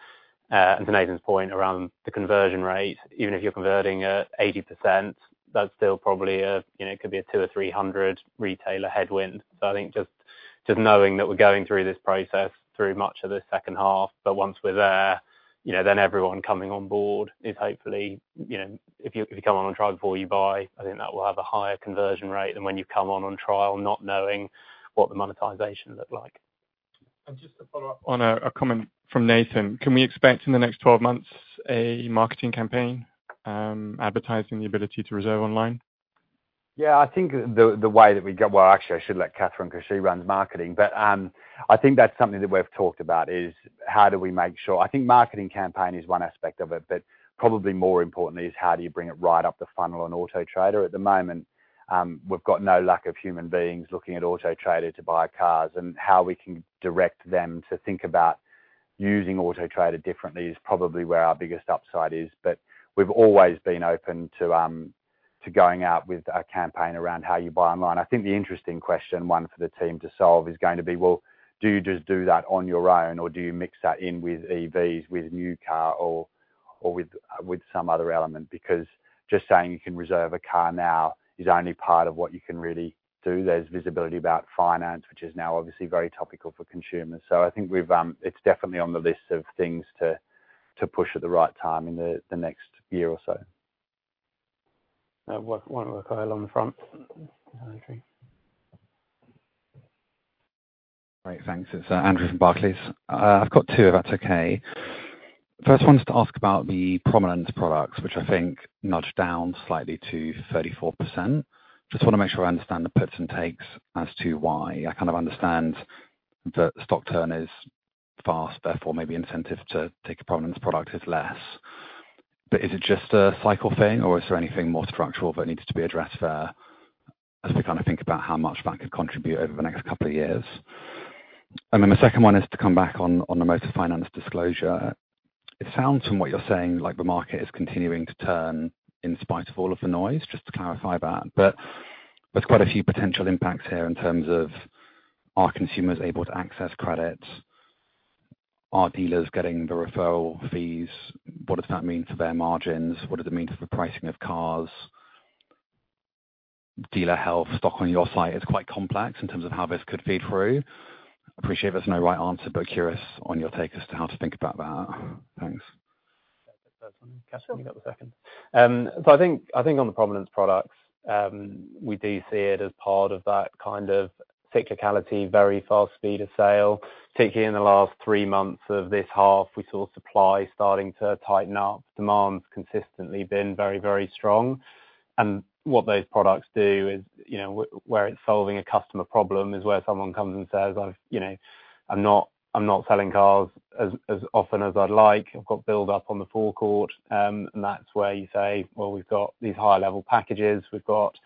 And to Nathan's point around the conversion rate, even if you're converting at 80%, that's still probably a, it could be a 2 or 300 retailer headwind. So I think just knowing that we're going through this process through much of the second half, but once we're there, then everyone coming on board is hopefully, if you come on on trial before you buy, I think that will have a higher conversion rate than when you come on on trial not knowing what the monetization looked like. And just to follow up on a comment from Nathan, can we expect in the next 12 months a marketing campaign advertising the ability to reserve online? Yeah, I think the way that we got, well, actually, I should let Catherine because she runs marketing. But I think that's something that we've talked about is how do we make sure I think marketing campaign is one aspect of it, but probably more importantly is how do you bring it right up the funnel on Auto Trader. At the moment, we've got no lack of human beings looking at Auto Trader to buy cars. And how we can direct them to think about using Auto Trader differently is probably where our biggest upside is. But we've always been open to going out with a campaign around how you buy online. I think the interesting question, one for the team to solve, is going to be, well, do you just do that on your own or do you mix that in with EVs, with new car, or with some other element? Because just saying you can reserve a car now is only part of what you can really do. There's visibility about finance, which is now obviously very topical for consumers. So I think it's definitely on the list of things to push at the right time in the next year or so. One more on the front. Great. Thanks. It's Andrew from Barclays. I've got two, if that's okay. First one's to ask about the prominence products, which I think nudged down slightly to 34%. Just want to make sure I understand the pros and cons as to why. I kind of understand the stock turn is fast, therefore maybe incentive to take a prominence product is less. But is it just a cycle thing or is there anything more structural that needs to be addressed there as we kind of think about how much that could contribute over the next couple of years? And then the second one is to come back on the motor finance disclosure. It sounds from what you're saying like the market is continuing to turn in spite of all of the noise, just to clarify that. But there's quite a few potential impacts here in terms of are consumers able to access credits? Are dealers getting the referral fees? What does that mean for their margins? What does that mean for the pricing of cars? Dealer health, stock on your site is quite complex in terms of how this could feed through. Appreciate there's no right answer, but curious on your take as to how to think about that. Thanks. That's one. Catherine, you got the second. So I think on the prominence products, we do see it as part of that kind of cyclicality, very fast speed of sale. Particularly in the last three months of this half, we saw supply starting to tighten up. Demand's consistently been very, very strong. And what those products do is where it's solving a customer problem is where someone comes and says, "I'm not selling cars as often as I'd like. I've got build-up on the forecourt." And that's where you say, "Well, we've got these high-level packages. We've got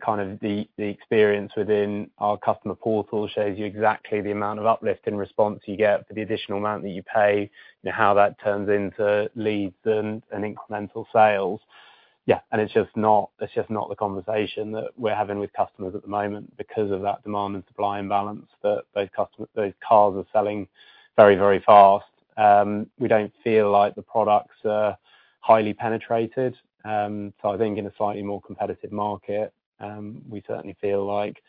kind of the experience within our customer portal shows you exactly the amount of uplift and response you get for the additional amount that you pay, how that turns into leads and incremental sales." Yeah. And it's just not the conversation that we're having with customers at the moment because of that demand and supply imbalance that those cars are selling very, very fast. We don't feel like the products are highly penetrated. So I think in a slightly more competitive market, we certainly feel like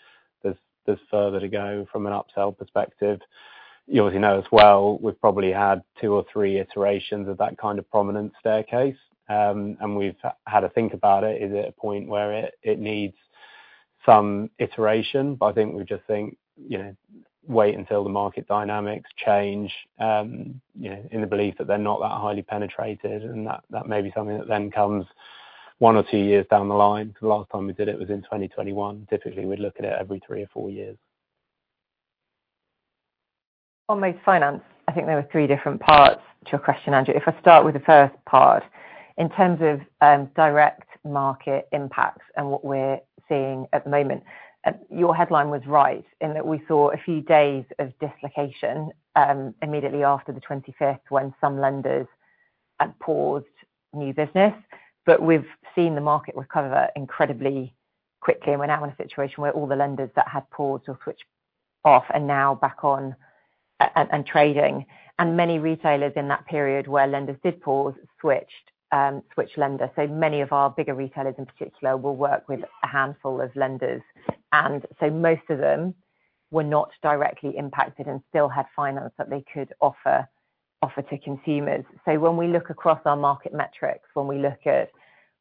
there's further to go from an upsell perspective. You obviously know as well, we've probably had two or three iterations of that kind of prominence staircase. And we've had a think about it. Is it a point where it needs some iteration? But I think we just think, wait until the market dynamics change in the belief that they're not that highly penetrated. And that may be something that then comes one or two years down the line. The last time we did it was in 2021. Typically, we'd look at it every three or four years. On motor finance, I think there were three different parts to your question, Andrew. If I start with the first part, in terms of direct market impacts and what we're seeing at the moment, your headline was right in that we saw a few days of dislocation immediately after the 25th when some lenders had paused new business. But we've seen the market recover incredibly quickly. And we're now in a situation where all the lenders that had paused will switch off and now back on and trading. And many retailers in that period where lenders did pause switched lenders. So many of our bigger retailers in particular will work with a handful of lenders. And so most of them were not directly impacted and still had finance that they could offer to consumers. So when we look across our market metrics, when we look at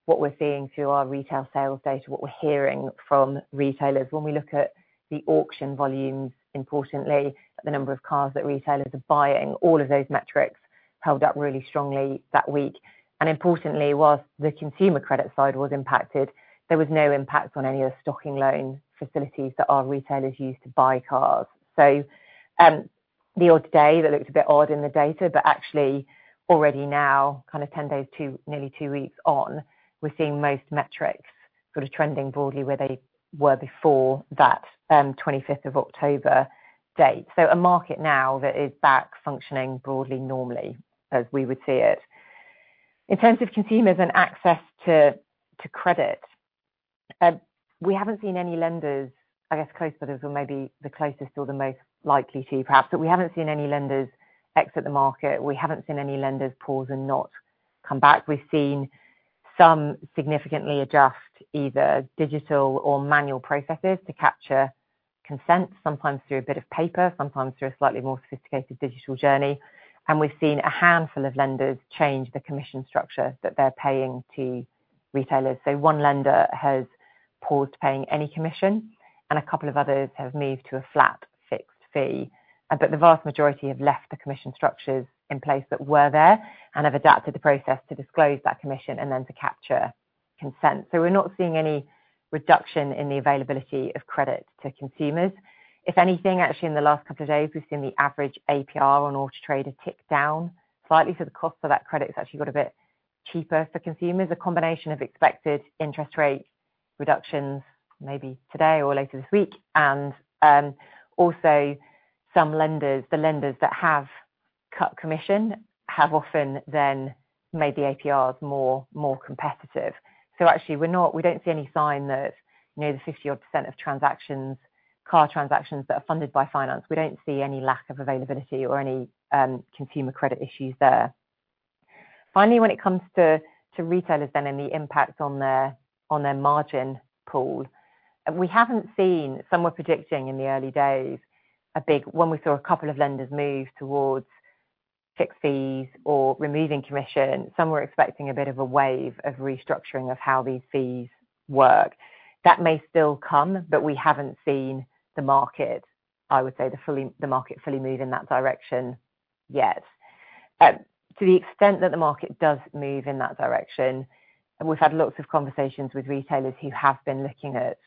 what we're seeing through our retail sales data, what we're hearing from retailers, when we look at the auction volumes, importantly, the number of cars that retailers are buying, all of those metrics held up really strongly that week. Importantly, while the consumer credit side was impacted, there was no impact on any of the stocking loan facilities that our retailers use to buy cars. So the odd day that looked a bit odd in the data, but actually already now, kind of 10 days, nearly two weeks on, we're seeing most metrics sort of trending broadly where they were before that 25th of October date. So a market now that is back functioning broadly normally as we would see it. In terms of consumers and access to credit, we haven't seen any lenders. I guess Close Brothers were maybe the closest or the most likely to, perhaps. But we haven't seen any lenders exit the market. We haven't seen any lenders pause and not come back. We've seen some significantly adjust either digital or manual processes to capture consent, sometimes through a bit of paper, sometimes through a slightly more sophisticated digital journey, and we've seen a handful of lenders change the commission structure that they're paying to retailers, so one lender has paused paying any commission, and a couple of others have moved to a flat fixed fee, but the vast majority have left the commission structures in place that were there and have adapted the process to disclose that commission and then to capture consent, so we're not seeing any reduction in the availability of credit to consumers. If anything, actually, in the last couple of days, we've seen the average APR on Auto Trader tick down slightly, so the cost of that credit has actually got a bit cheaper for consumers, a combination of expected interest rate reductions maybe today or later this week. And also some lenders, the lenders that have cut commission, have often then made the APRs more competitive. So actually, we don't see any sign that the 50-odd% of transactions, car transactions that are funded by finance, we don't see any lack of availability or any consumer credit issues there. Finally, when it comes to retailers then and the impact on their margin pool, we haven't seen. Some were predicting in the early days a big when we saw a couple of lenders move towards fixed fees or removing commission. Some were expecting a bit of a wave of restructuring of how these fees work. That may still come, but we haven't seen the market. I would say the market fully move in that direction yet. To the extent that the market does move in that direction, we've had lots of conversations with retailers who have been looking at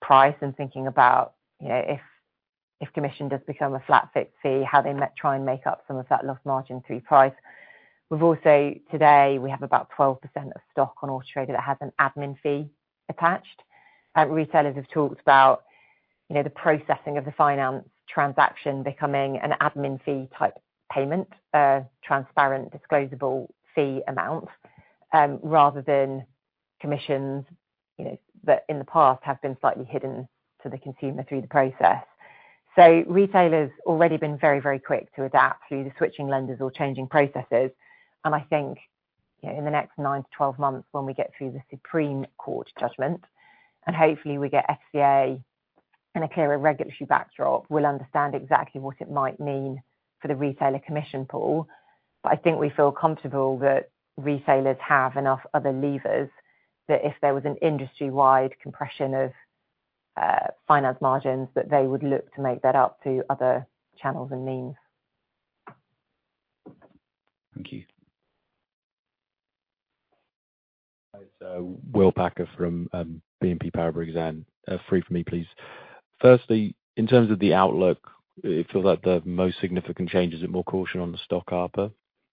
price and thinking about if commission does become a flat fixed fee, how they might try and make up some of that lost margin through price. We've also today, we have about 12% of stock on Auto Trader that has an admin fee attached. Retailers have talked about the processing of the finance transaction becoming an admin fee type payment, a transparent disclosable fee amount rather than commissions that in the past have been slightly hidden to the consumer through the process, so retailers have already been very, very quick to adapt through the switching lenders or changing processes. I think in the next nine to 12 months when we get through the Supreme Court judgment, and hopefully we get FCA and a clearer regulatory backdrop, we'll understand exactly what it might mean for the retailer commission pool. I think we feel comfortable that retailers have enough other levers that if there was an industry-wide compression of finance margins, that they would look to make that up to other channels and means. Thank you. Will Packer from BNP Paribas, and three for me, please. Firstly, in terms of the outlook, it feels like the most significant change is more caution on the stock ARPA,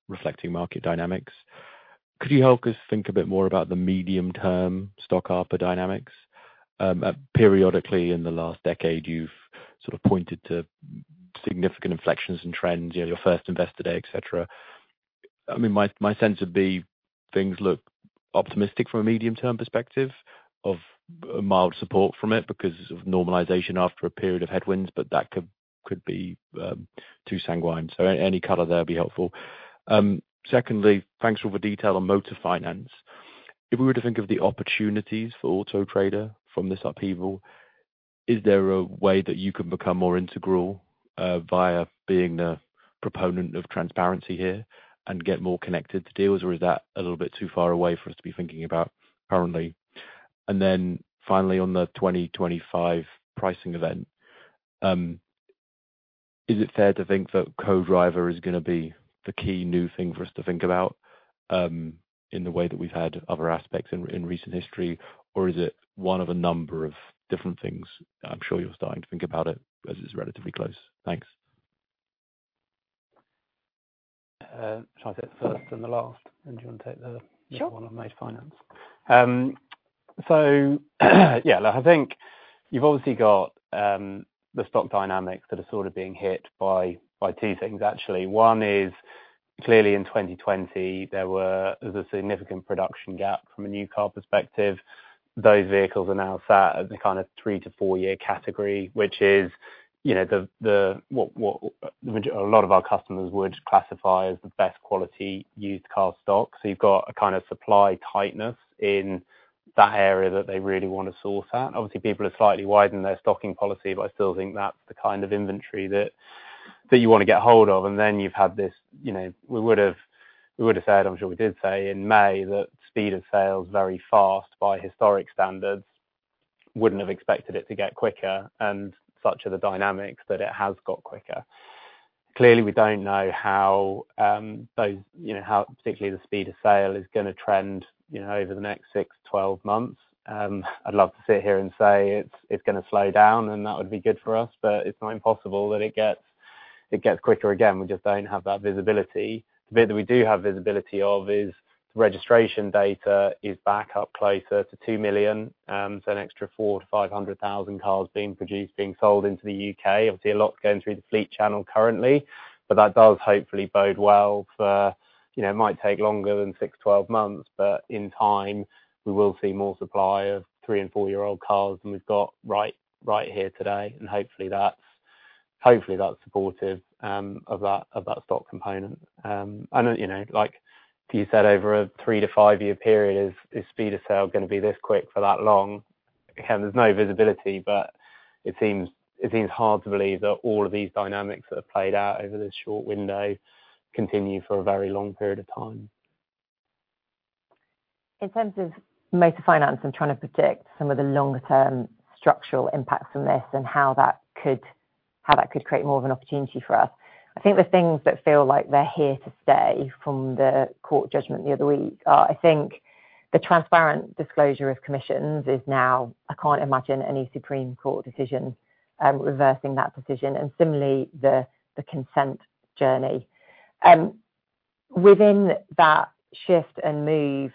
reflecting market dynamics. Could you help us think a bit more about the medium-term stock ARPA dynamics? Periodically in the last decade, you've sort of pointed to significant inflections and trends, your first investor day, etc. I mean, my sense would be things look optimistic from a medium-term perspective of mild support from it because of normalization after a period of headwinds, but that could be too sanguine. So any color there would be helpful. Secondly, thanks for the detail on motor finance. If we were to think of the opportunities for Auto Trader from this upheaval, is there a way that you can become more integral via being the proponent of transparency here and get more connected to deals, or is that a little bit too far away for us to be thinking about currently? And then finally, on the 2025 pricing event, is it fair to think that Co-Driver is going to be the key new thing for us to think about in the way that we've had other aspects in recent history, or is it one of a number of different things? I'm sure you're starting to think about it as it's relatively close. Thanks. Should I take the first and the last, and do you want to take the one on motor finance? Sure. So yeah, I think you've obviously got the stock dynamics that are sort of being hit by two things, actually. One is clearly in 2020, there was a significant production gap from a new car perspective. Those vehicles are now sat at the kind of three to four-year category, which is what a lot of our customers would classify as the best quality used car stock. So you've got a kind of supply tightness in that area that they really want to source at. Obviously, people are slightly widening their stocking policy, but I still think that's the kind of inventory that you want to get hold of. And then you've had this. We would have said, I'm sure we did say in May, that speed of sales very fast by historic standards wouldn't have expected it to get quicker. And such are the dynamics that it has got quicker. Clearly, we don't know how those, how particularly the speed of sale is going to trend over the next six to 12 months. I'd love to sit here and say it's going to slow down, and that would be good for us, but it's not impossible that it gets quicker again. We just don't have that visibility. The bit that we do have visibility of is the registration data is back up closer to two million. So an extra four to 500,000 cars being produced, being sold into the U.K. Obviously, a lot going through the fleet channel currently, but that does hopefully bode well for it. It might take longer than six to 12 months, but in time, we will see more supply of three- and four-year-old cars than we've got right here today. And hopefully, that's supportive of that stock component. And like you said, over a three- to five-year period, is speed of sale going to be this quick for that long? Again, there's no visibility, but it seems hard to believe that all of these dynamics that have played out over this short window continue for a very long period of time. In terms of motor finance, I'm trying to predict some of the longer-term structural impacts from this and how that could create more of an opportunity for us. I think the things that feel like they're here to stay from the court judgment the other week are, I think, the transparent disclosure of commissions. Now I can't imagine any Supreme Court decision reversing that decision, and similarly, the consent journey. Within that shift and move,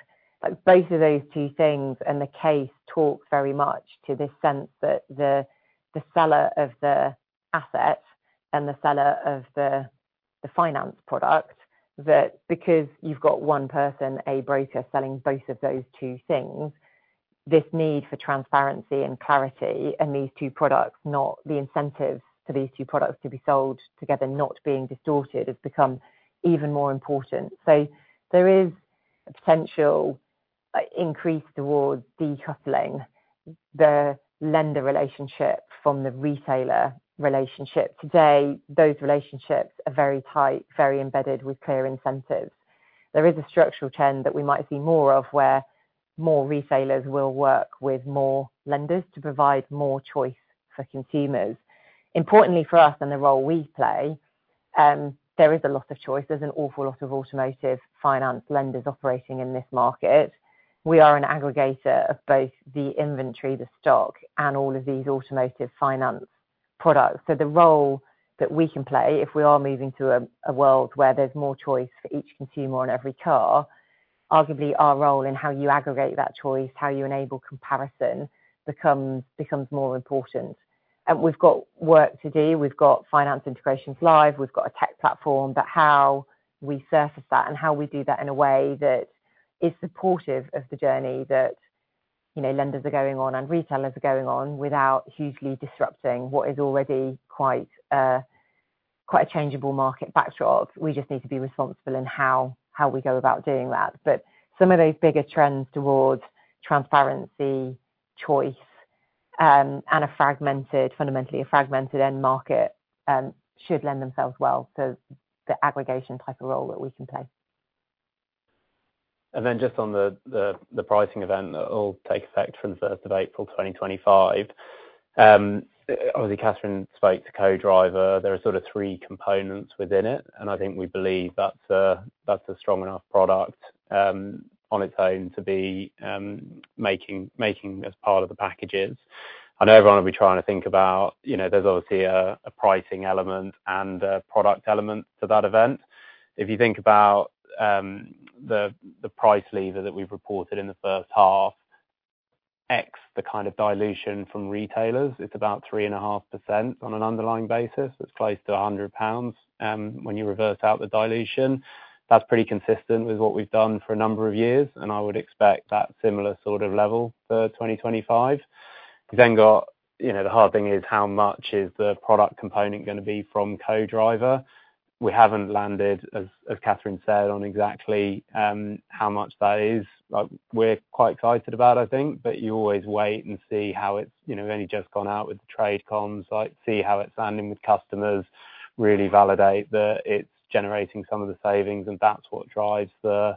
both of those two things and the case talk very much to this sense that the seller of the asset and the seller of the finance product, that because you've got one person, a broker selling both of those two things, this need for transparency and clarity and these two products, not the incentives for these two products to be sold together not being distorted, has become even more important, so there is a potential increase towards decoupling the lender relationship from the retailer relationship. Today, those relationships are very tight, very embedded with clear incentives. There is a structural trend that we might see more of where more retailers will work with more lenders to provide more choice for consumers. Importantly for us and the role we play, there is a lot of choice. There's an awful lot of automotive finance lenders operating in this market. We are an aggregator of both the inventory, the stock, and all of these automotive finance products. So the role that we can play if we are moving to a world where there's more choice for each consumer on every car, arguably our role in how you aggregate that choice, how you enable comparison becomes more important. And we've got work to do. We've got finance integrations live. We've got a tech platform, but how we surface that and how we do that in a way that is supportive of the journey that lenders are going on and retailers are going on without hugely disrupting what is already quite a changeable market backdrop. We just need to be responsible in how we go about doing that. But some of those bigger trends towards transparency, choice, and fundamentally a fragmented end market should lend themselves well to the aggregation type of role that we can play. And then just on the pricing event that will take effect from the 1st of April 2025, obviously, Catherine spoke to Co-Driver. There are sort of three components within it, and I think we believe that's a strong enough product on its own to be making as part of the packages. I know everyone will be trying to think about there's obviously a pricing element and a product element to that event. If you think about the price lever that we've reported in the first half, ex the kind of dilution from retailers, it's about 3.5% on an underlying basis. It's close to 100 pounds when you reverse out the dilution. That's pretty consistent with what we've done for a number of years, and I would expect that similar sort of level for 2025. We've then got the hard thing is how much is the product component going to be from Co-Driver? We haven't landed, as Catherine said, on exactly how much that is. We're quite excited about it, I think, but you always wait and see how it's only just gone out with the trade comms, see how it's landing with customers, really validate that it's generating some of the savings, and that's what drives the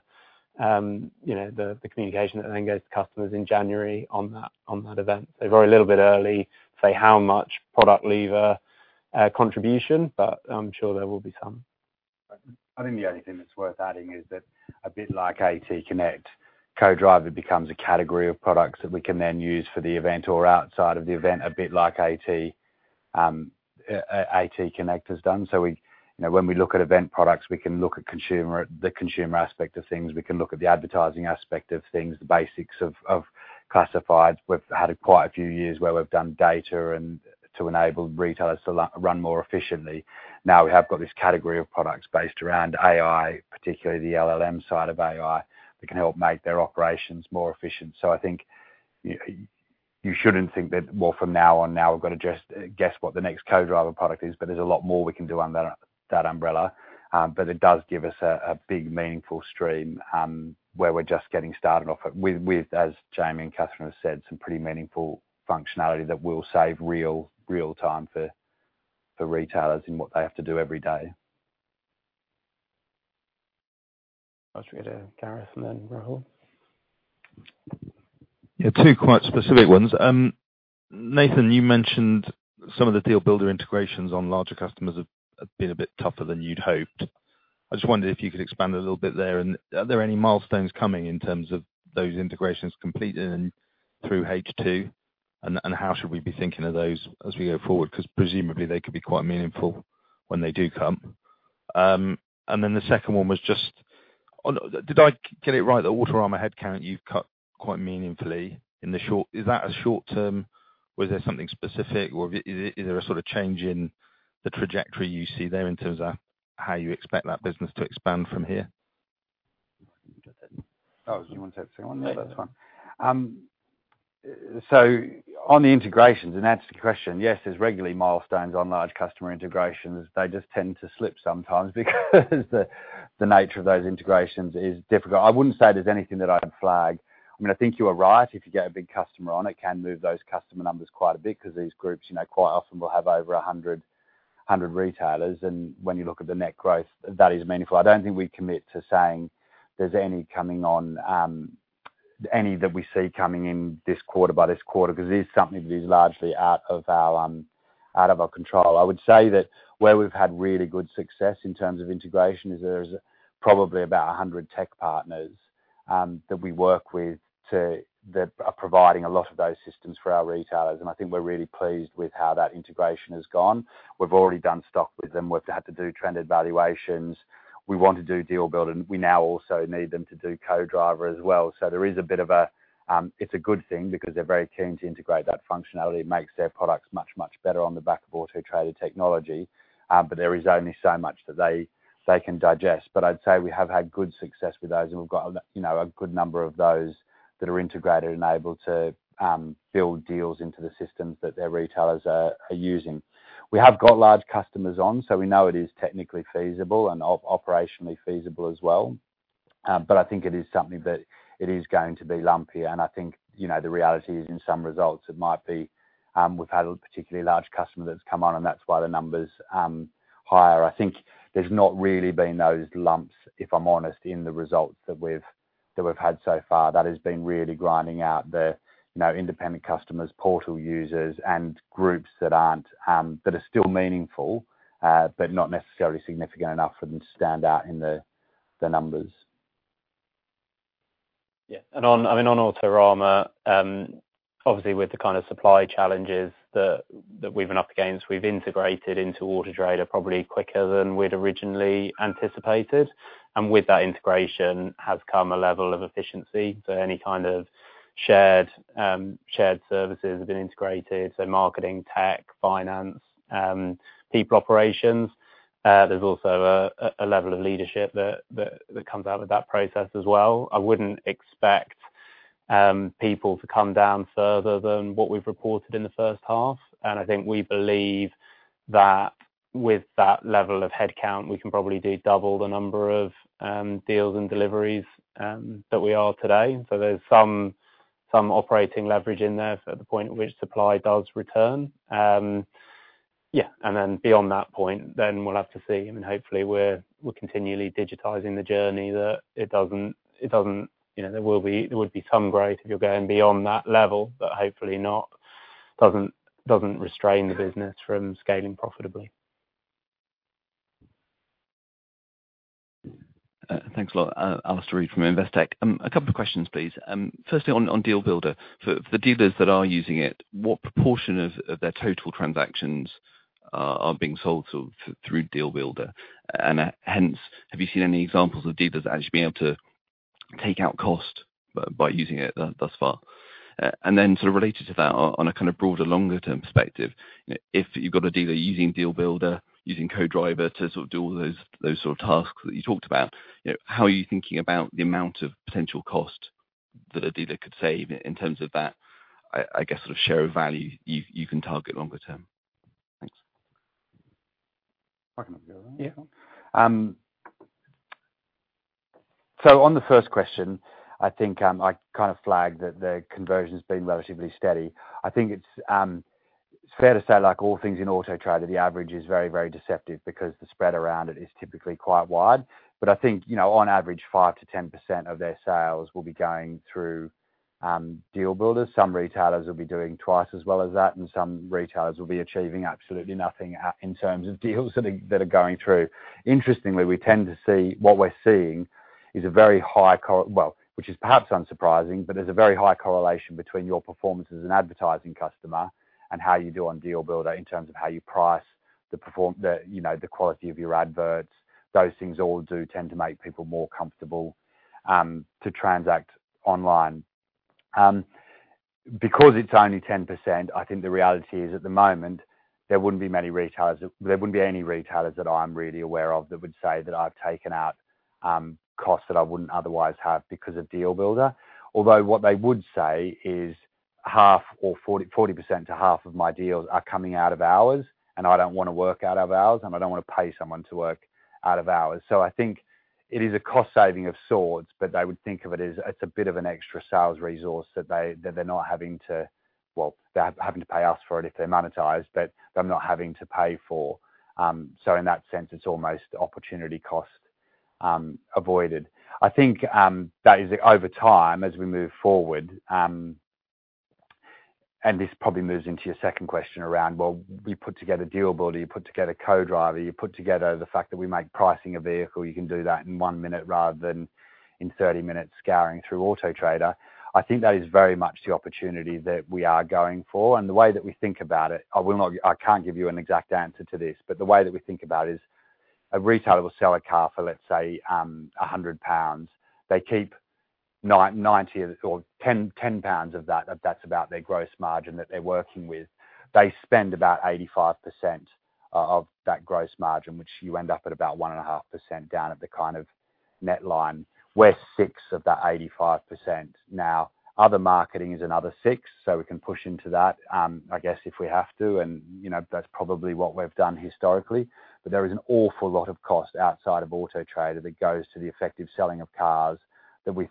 communication that then goes to customers in January on that event. So, very little bit early to say how much product lever contribution, but I'm sure there will be some. I think the only thing that's worth adding is that a bit like AT Connect, Co-Driver becomes a category of products that we can then use for the event or outside of the event, a bit like AT Connect has done. So when we look at event products, we can look at the consumer aspect of things. We can look at the advertising aspect of things, the basics of classifieds. We've had quite a few years where we've done data to enable retailers to run more efficiently. Now we have got this category of products based around AI, particularly the LLM side of AI that can help make their operations more efficient. So I think you shouldn't think that, well, from now on, now we've got to just guess what the next Co-Driver product is, but there's a lot more we can do under that umbrella. But it does give us a big meaningful stream where we're just getting started off with, as Jamie and Catherine have said, some pretty meaningful functionality that will save real time for retailers in what they have to do every day. I'll just get to Gareth and then Rahul. Yeah, two quite specific ones. Nathan, you mentioned some of the DealBuilder integrations on larger customers have been a bit tougher than you'd hoped. I just wondered if you could expand a little bit there and are there any milestones coming in terms of those integrations completed and through H2? And how should we be thinking of those as we go forward? Because presumably, they could be quite meaningful when they do come. And then the second one was just, did I get it right? The Autorama headcount you've cut quite meaningfully in the short, is that a short-term? Was there something specific or is there a sort of change in the trajectory you see there in terms of how you expect that business to expand from here? Oh, you want to take the second one? Yeah, that's fine. So on the integrations, in answer to your question, yes, there's regularly milestones on large customer integrations. They just tend to slip sometimes because the nature of those integrations is difficult. I wouldn't say there's anything that I'd flag. I mean, I think you are right. If you get a big customer on, it can move those customer numbers quite a bit because these groups quite often will have over 100 retailers. And when you look at the net growth, that is meaningful. I don't think we commit to saying there's any coming on, any that we see coming in this quarter by this quarter because it is something that is largely out of our control. I would say that where we've had really good success in terms of integration is there's probably about 100 tech partners that we work with that are providing a lot of those systems for our retailers. And I think we're really pleased with how that integration has gone. We've already done stock with them. We've had to do trended valuations. We want to do DealBuilder. We now also need them to do Co-Driver as well. So there is a bit of a, it's a good thing because they're very keen to integrate that functionality. It makes their products much, much better on the back of Auto Trader technology, but there is only so much that they can digest. But I'd say we have had good success with those, and we've got a good number of those that are integrated and able to build deals into the systems that their retailers are using. We have got large customers on, so we know it is technically feasible and operationally feasible as well. But I think it is something that it is going to be lumpy. And I think the reality is in some results, it might be we've had a particularly large customer that's come on, and that's why the numbers are higher. I think there's not really been those lumps, if I'm honest, in the results that we've had so far. That has been really grinding out the independent customers, portal users, and groups that are still meaningful but not necessarily significant enough for them to stand out in the numbers. Yeah. And I mean, on Autorama, obviously, with the kind of supply challenges that we've been up against, we've integrated into Auto Trader probably quicker than we'd originally anticipated. And with that integration has come a level of efficiency. So any kind of shared services have been integrated. So marketing, tech, finance, people operations. There's also a level of leadership that comes out of that process as well. I wouldn't expect people to come down further than what we've reported in the first half. And I think we believe that with that level of headcount, we can probably do double the number of deals and deliveries that we are today. So there's some operating leverage in there at the point at which supply does return. Yeah. And then beyond that point, then we'll have to see. I mean, hopefully, we're continually digitizing the journey that it doesn't there would be some growth if you're going beyond that level, but hopefully not, doesn't restrain the business from scaling profitably. Thanks a lot. Alastair Reid from Investec. A couple of questions, please. Firstly, on DealBuilder, for the dealers that are using it, what proportion of their total transactions are being sold through DealBuilder? And hence, have you seen any examples of dealers actually being able to take out cost by using it thus far? And then sort of related to that, on a kind of broader longer-term perspective, if you've got a dealer using DealBuilder, using Co-Driver to sort of do all those sort of tasks that you talked about, how are you thinking about the amount of potential cost that a dealer could save in terms of that, I guess, sort of share of value you can target longer-term? Thanks. I can have a go. Yeah. So on the first question, I think I kind of flagged that the conversion has been relatively steady. I think it's fair to say, like all things in Auto Trader, the average is very, very deceptive because the spread around it is typically quite wide. But I think, on average, 5%-10% of their sales will be going through DealBuilder. Some retailers will be doing twice as well as that, and some retailers will be achieving absolutely nothing in terms of deals that are going through. Interestingly, we tend to see what we're seeing is a very high, well, which is perhaps unsurprising, but there's a very high correlation between your performance as an advertising customer and how you do on DealBuilder in terms of how you price the quality of your adverts. Those things all do tend to make people more comfortable to transact online. Because it's only 10%, I think the reality is at the moment, there wouldn't be many retailers. There wouldn't be any retailers that I'm really aware of that would say that I've taken out costs that I wouldn't otherwise have because of DealBuilder. Although what they would say is half or 40% to half of my deals are coming out of hours, and I don't want to work out of hours, and I don't want to pay someone to work out of hours. I think it is a cost-saving of sorts, but they would think of it as it's a bit of an extra sales resource that they're not having to, well, they're having to pay us for it if they're monetized, but they're not having to pay for, so in that sense, it's almost opportunity cost avoided. I think that is over time as we move forward, and this probably moves into your second question around, well, we put together DealBuilder, you put together Co-Driver, you put together the fact that we make pricing a vehicle, you can do that in one minute rather than in 30 minutes scouring through Auto Trader. I think that is very much the opportunity that we are going for, and the way that we think about it. I can't give you an exact answer to this, but the way that we think about it is a retailer will sell a car for, let's say, 100 pounds. They keep 90 or 10 pounds of that, if that's about their gross margin that they're working with. They spend about 85% of that gross margin, which you end up at about 1.5% down at the kind of net line. We're 6% of that 85%. Now, other marketing is another 6%, so we can push into that, I guess, if we have to, and that's probably what we've done historically. There is an awful lot of cost outside of Auto Trader that goes to the effective selling of cars that we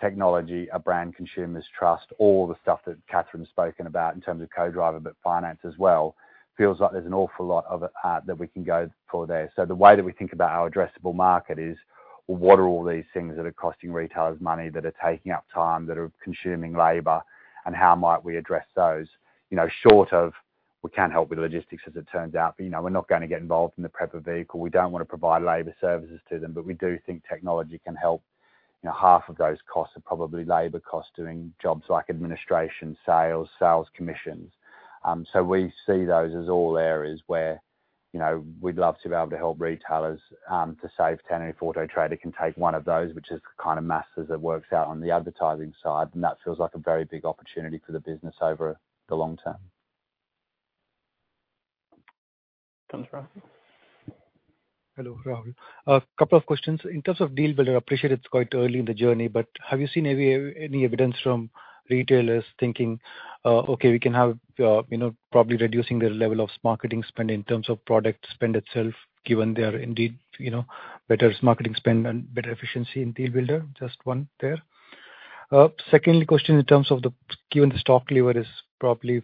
think technology, our brand consumers trust, all the stuff that Catherine's spoken about in terms of Co-Driver, but finance as well, feels like there's an awful lot of that we can go for there. So the way that we think about our addressable market is, well, what are all these things that are costing retailers money that are taking up time, that are consuming labor, and how might we address those? Short of, we can't help with logistics, as it turns out, but we're not going to get involved in the prep of vehicle. We don't want to provide labor services to them, but we do think technology can help. Half of those costs are probably labor costs doing jobs like administration, sales, sales commissions. So we see those as all areas where we'd love to be able to help retailers to save 10 if Auto Trader can take one of those, which is the kind of maths that works out on the advertising side. And that feels like a very big opportunity for the business over the long term. Thanks, Rahul. Hello, Rahul. A couple of questions. In terms of DealBuilder, I appreciate it's quite early in the journey, but have you seen any evidence from retailers thinking, okay, we can have probably reducing their level of marketing spend in terms of product spend itself, given their indeed better marketing spend and better efficiency in DealBuilder? Just one there. Secondly, question in terms of the given the stock lever is probably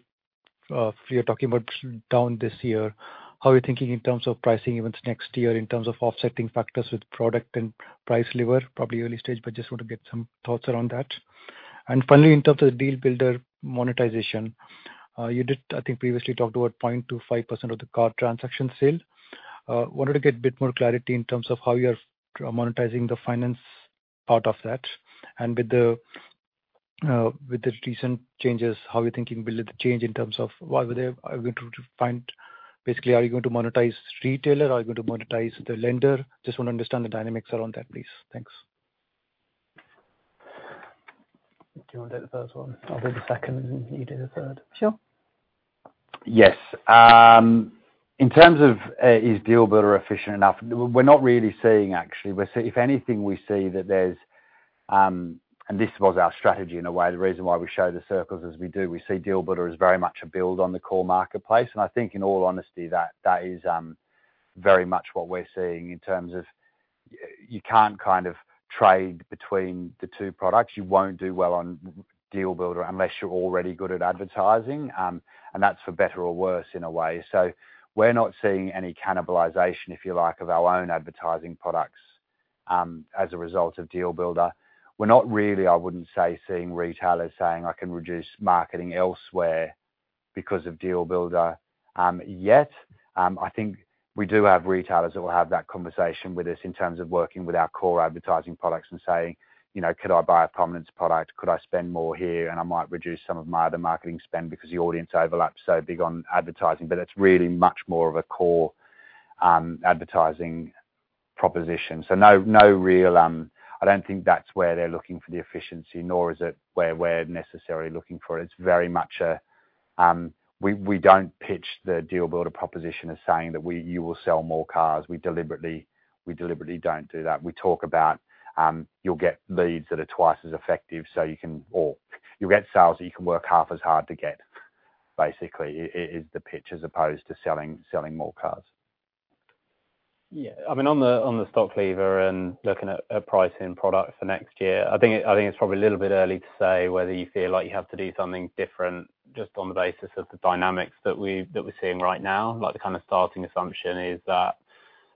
you're talking about down this year. How are you thinking in terms of pricing events next year in terms of offsetting factors with product and price lever? Probably early stage, but just want to get some thoughts around that. And finally, in terms of the DealBuilder monetization, you did, I think, previously talked about 0.25% of the car transaction sale. Wanted to get a bit more clarity in terms of how you're monetizing the finance part of that. And with the recent changes, how are you thinking will it change in terms of what are we going to find? Basically, are you going to monetize retailer? Are you going to monetize the lender? Just want to understand the dynamics around that, please. Thanks. Do you want to take the first one? I'll do the second, and you take the third. Sure. Yes. In terms of, is DealBuilder efficient enough? We're not really seeing, actually. If anything, we see that there's, and this was our strategy in a way, the reason why we show the circles as we do, we see DealBuilder as very much a build on the core marketplace. And I think, in all honesty, that is very much what we're seeing in terms of you can't kind of trade between the two products. You won't do well on DealBuilder unless you're already good at advertising. And that's for better or worse in a way. So we're not seeing any cannibalization, if you like, of our own advertising products as a result of DealBuilder. We're not really, I wouldn't say, seeing retailers saying, "I can reduce marketing elsewhere because of DealBuilder." Yet, I think we do have retailers that will have that conversation with us in terms of working with our core advertising products and saying, "Could I buy a prominence product? Could I spend more here? And I might reduce some of my other marketing spend because the audience overlap so big on advertising," but it's really much more of a core advertising proposition. So no real, I don't think that's where they're looking for the efficiency, nor is it where we're necessarily looking for it. It's very much a, we don't pitch the DealBuilder proposition as saying that you will sell more cars. We deliberately don't do that. We talk about you'll get leads that are twice as effective, so you can, or you'll get sales that you can work half as hard to get, basically, is the pitch as opposed to selling more cars. Yeah. I mean, on the stock lever and looking at pricing product for next year, I think it's probably a little bit early to say whether you feel like you have to do something different just on the basis of the dynamics that we're seeing right now. The kind of starting assumption is that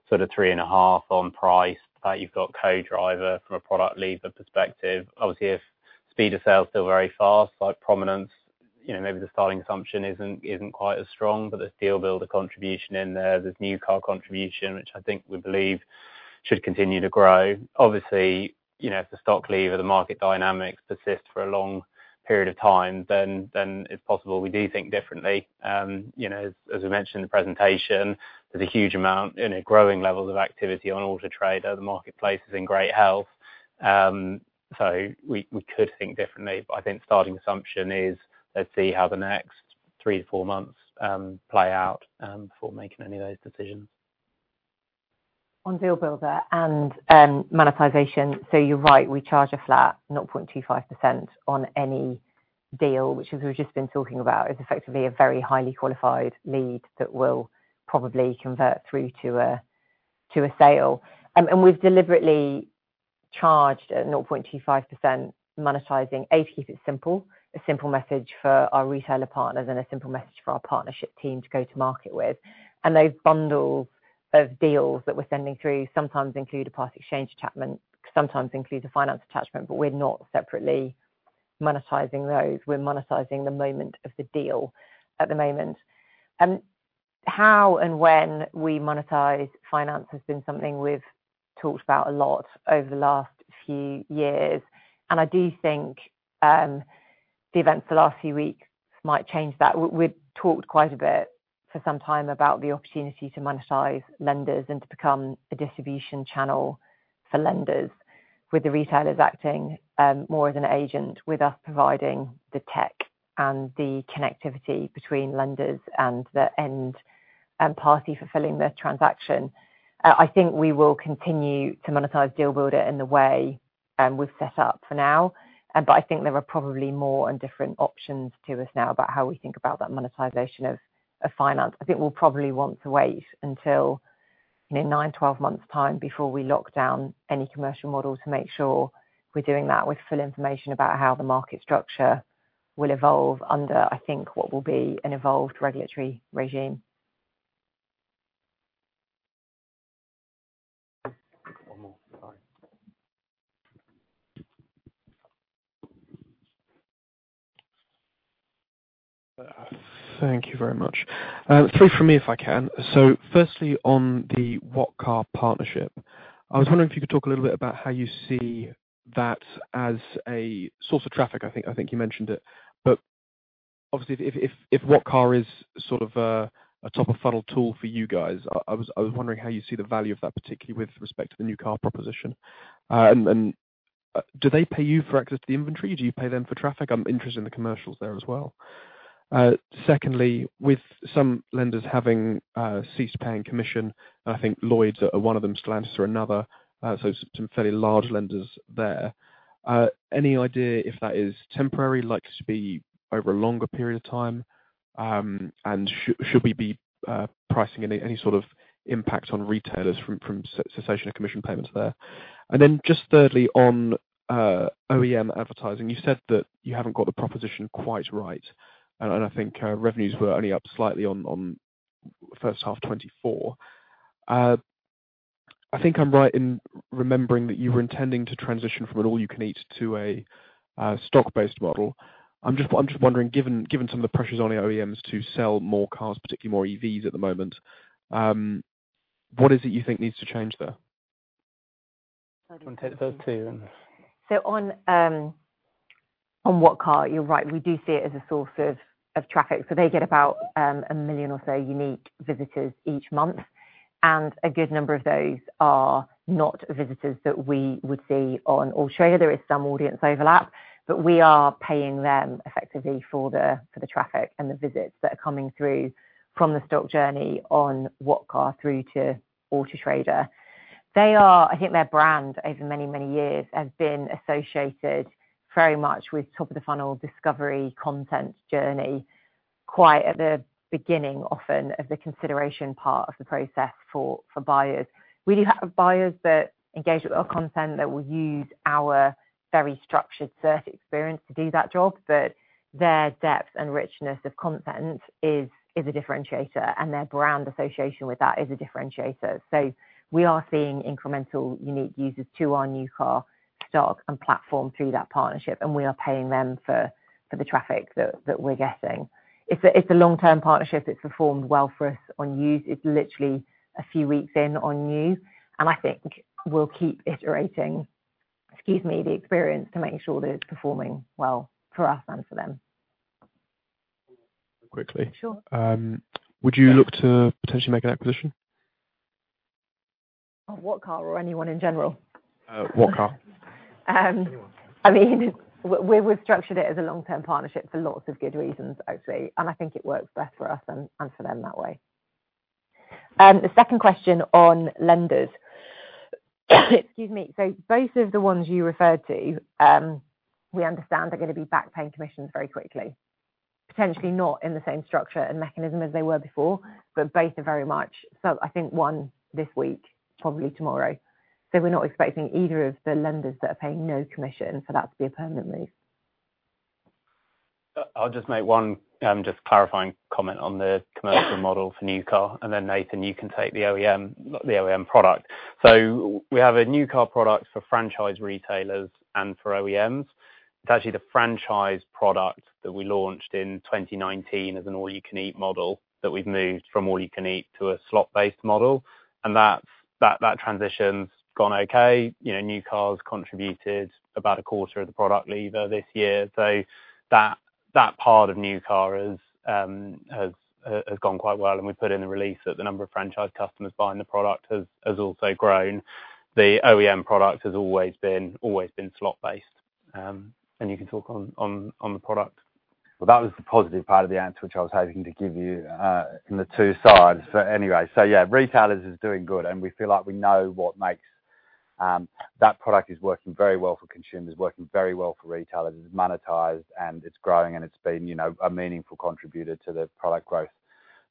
sort of three and a half on price, that you've got Co-Driver from a product lever perspective. Obviously, if speed of sales is still very fast, like prominence, maybe the starting assumption isn't quite as strong, but there's DealBuilder contribution in there. There's new car contribution, which I think we believe should continue to grow. Obviously, if the stock lever, the market dynamics persist for a long period of time, then it's possible we do think differently. As we mentioned in the presentation, there's a huge amount, growing levels of activity on Auto Trader. The marketplace is in great health. So we could think differently. But I think starting assumption is let's see how the next three to four months play out before making any of those decisions. On DealBuilder and monetization, so you're right, we charge a flat 0.25% on any deal, which, as we've just been talking about, is effectively a very highly qualified lead that will probably convert through to a sale. And we've deliberately charged a 0.25% monetizing fee to keep it simple, a simple message for our retailer partners and a simple message for our partnership team to go to market with. And those bundles of deals that we're sending through sometimes include a part exchange attachment, sometimes include a finance attachment, but we're not separately monetizing those. We're monetizing the moment of the deal at the moment. How and when we monetize finance has been something we've talked about a lot over the last few years, and I do think the events the last few weeks might change that. We've talked quite a bit for some time about the opportunity to monetize lenders and to become a distribution channel for lenders, with the retailers acting more as an agent, with us providing the tech and the connectivity between lenders and the end party fulfilling the transaction. I think we will continue to monetize DealBuilder in the way we've set up for now, but I think there are probably more and different options to us now about how we think about that monetization of finance. I think we'll probably want to wait until nine-12 months' time before we lock down any commercial model to make sure we're doing that with full information about how the market structure will evolve under, I think, what will be an evolved regulatory regime. One more. Sorry. Thank you very much. Three from me if I can. So firstly, on the What Car? partnership, I was wondering if you could talk a little bit about how you see that as a source of traffic. I think you mentioned it. But obviously, if What Car? is sort of a top-of-funnel tool for you guys, I was wondering how you see the value of that, particularly with respect to the new car proposition. And do they pay you for access to the inventory? Do you pay them for traffic? I'm interested in the commercials there as well. Secondly, with some lenders having ceased paying commission, and I think Lloyds are one of them, Stellantis are another, so some fairly large lenders there. Any idea if that is temporary, likely to be over a longer period of time, and should we be pricing any sort of impact on retailers from cessation of commission payments there? And then just thirdly, on OEM advertising, you said that you haven't got the proposition quite right. And I think revenues were only up slightly on first half 2024. I think I'm right in remembering that you were intending to transition from an all-you-can-eat to a stock-based model. I'm just wondering, given some of the pressures on OEMs to sell more cars, particularly more EVs at the moment, what is it you think needs to change there? Those two. On What Car?, you're right. We do see it as a source of traffic. They get about a million or so unique visitors each month. A good number of those are not visitors that we would see on Auto Trader. There is some audience overlap. We are paying them effectively for the traffic and the visits that are coming through from the stock journey on What Car? through to Auto Trader. Their brand over many, many years has been associated very much with top-of-the-funnel discovery content journey, quite at the beginning often of the consideration part of the process for buyers. We do have buyers that engage with our content that will use our very structured search experience to do that job. Their depth and richness of content is a differentiator. Their brand association with that is a differentiator. We are seeing incremental unique users to our new car stock and platform through that partnership. And we are paying them for the traffic that we're getting. It's a long-term partnership. It's performed well for us on used. It's literally a few weeks in on new. And I think we'll keep iterating, excuse me, the experience to make sure that it's performing well for us and for them. Quickly. Sure. Would you look to potentially make an acquisition? What Car or anyone in general? What Car. Anyone. I mean, we've structured it as a long-term partnership for lots of good reasons, actually. And I think it works best for us and for them that way. The second question on lenders. Excuse me. So both of the ones you referred to, we understand are going to be backpaying commissions very quickly. Potentially not in the same structure and mechanism as they were before, but both are very much, so I think one this week, probably tomorrow. We're not expecting either of the lenders that are paying no commission for that to be a permanent move. I'll just make one clarifying comment on the commercial model for New Car, and then, Nathan, you can take the OEM product. We have a New Car product for franchise retailers and for OEMs. It's actually the franchise product that we launched in 2019 as an all-you-can-eat model that we've moved from all-you-can-eat to a slot-based model, and that transition's gone okay. New Cars contributed about a quarter of the product lever this year, so that part of New Car has gone quite well, and we've put in the release that the number of franchise customers buying the product has also grown. The OEM product has always been slot-based, and you can talk on the product. Well, that was the positive part of the answer which I was hoping to give you in the two sides. But anyway, so yeah, retailers are doing good, and we feel like we know what makes that product is working very well for consumers, working very well for retailers. It's monetized, and it's growing, and it's been a meaningful contributor to the product growth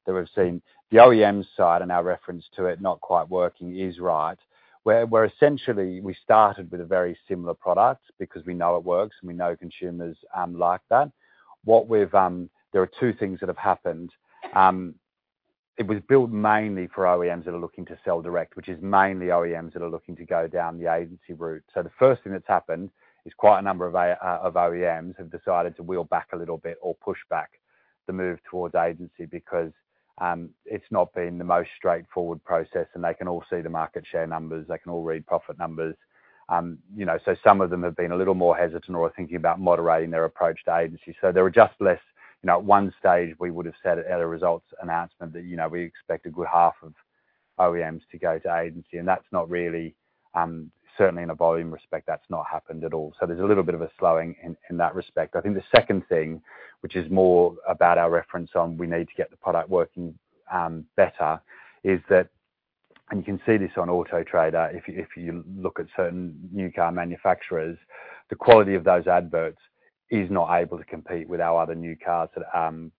that we've seen. The OEM side and our reference to it not quite working is right, where essentially we started with a very similar product because we know it works and we know consumers like that. There are two things that have happened. It was built mainly for OEMs that are looking to sell direct, which is mainly OEMs that are looking to go down the agency route. So the first thing that's happened is quite a number of OEMs have decided to reel back a little bit or push back the move towards agency because it's not been the most straightforward process. And they can all see the market share numbers. They can all read profit numbers. So some of them have been a little more hesitant or are thinking about moderating their approach to agency. So there are just less. At one stage, we would have said at a results announcement that we expect a good half of OEMs to go to agency. And that's not really, certainly in a volume respect, that's not happened at all. So there's a little bit of a slowing in that respect. I think the second thing, which is more about our reference on we need to get the product working better, is that, and you can see this on Auto Trader, if you look at certain new car manufacturers, the quality of those adverts is not able to compete with our other new cars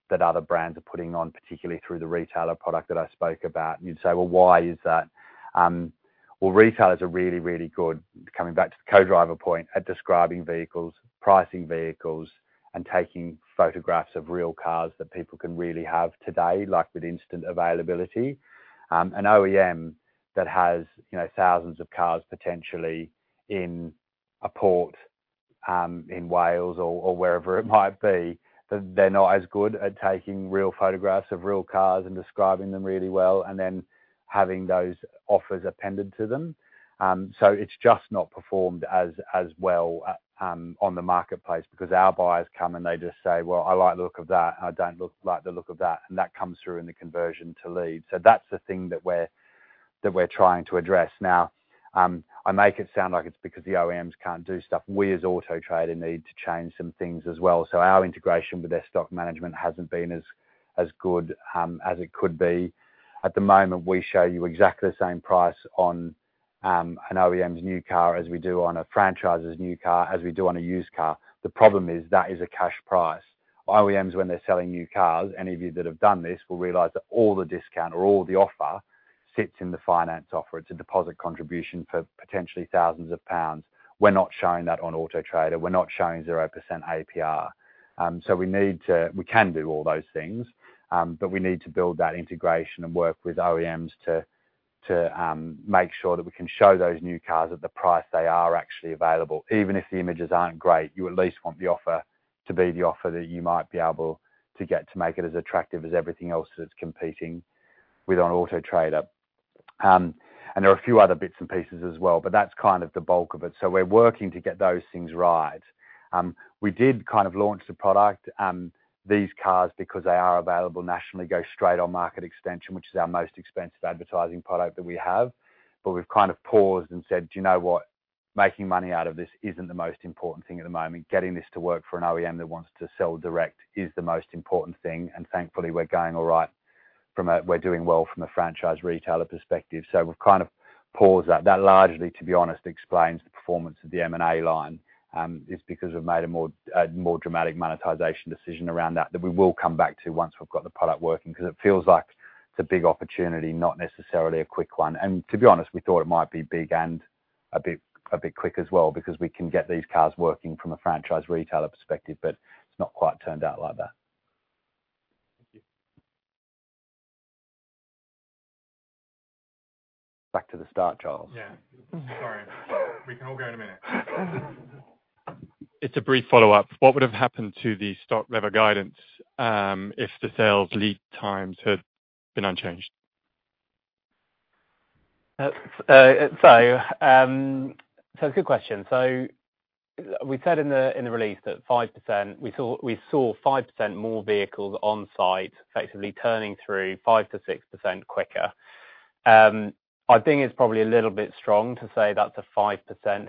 that other brands are putting on, particularly through the retailer product that I spoke about. You'd say, "Well, why is that?" Well, retailers are really, really good, coming back to the Co-Driver point, at describing vehicles, pricing vehicles, and taking photographs of real cars that people can really have today, like with instant availability. An OEM that has thousands of cars potentially in a port in Wales or wherever it might be, they're not as good at taking real photographs of real cars and describing them really well and then having those offers appended to them. So it's just not performed as well on the marketplace because our buyers come and they just say, "Well, I like the look of that, and I don't like the look of that." And that comes through in the conversion to lead. So that's the thing that we're trying to address. Now, I make it sound like it's because the OEMs can't do stuff. We as Auto Trader need to change some things as well. So our integration with their stock management hasn't been as good as it could be. At the moment, we show you exactly the same price on an OEM's new car as we do on a franchiser's new car as we do on a used car. The problem is that is a cash price. OEMs, when they're selling new cars, any of you that have done this will realize that all the discount or all the offer sits in the finance offer. It's a deposit contribution for potentially thousands of pounds. We're not showing that on Auto Trader. We're not showing 0% APR, so we can do all those things, but we need to build that integration and work with OEMs to make sure that we can show those new cars at the price they are actually available. Even if the images aren't great, you at least want the offer to be the offer that you might be able to get to make it as attractive as everything else that's competing with on Auto Trader, and there are a few other bits and pieces as well, but that's kind of the bulk of it, so we're working to get those things right. We did kind of launch the product. These cars, because they are available nationally, go straight on Market Extension, which is our most expensive advertising product that we have, but we've kind of paused and said, "Do you know what? Making money out of this isn't the most important thing at the moment. Getting this to work for an OEM that wants to sell direct is the most important thing," and thankfully, we're going all right. We're doing well from a franchise retailer perspective, so we've kind of paused that. That largely, to be honest, explains the performance of the M&A line. It's because we've made a more dramatic monetization decision around that that we will come back to once we've got the product working because it feels like it's a big opportunity, not necessarily a quick one. And to be honest, we thought it might be big and a bit quick as well because we can get these cars working from a franchise retailer perspective, but it's not quite turned out like that. Thank you. Back to the start, Charles. Yeah. Sorry. We can all go in a minute. It's a brief follow-up. What would have happened to the stock lever guidance if the sales lead times had been unchanged? So it's a good question. So we said in the release that 5% we saw 5% more vehicles on site effectively turning through 5-6% quicker. I think it's probably a little bit strong to say that's a 5%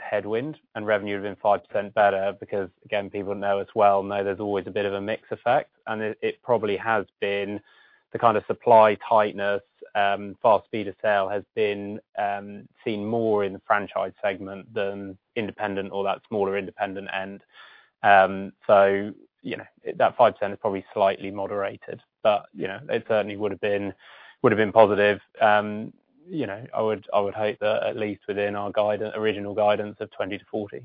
headwind, and revenue would have been 5% better because, again, people know as well, there's always a bit of a mixed effect. And it probably has been the kind of supply tightness, fast speed of sale has been seen more in the franchise segment than independent or that smaller independent end. So that 5% is probably slightly moderated, but it certainly would have been positive. I would hope that at least within our original guidance of 20 to 40.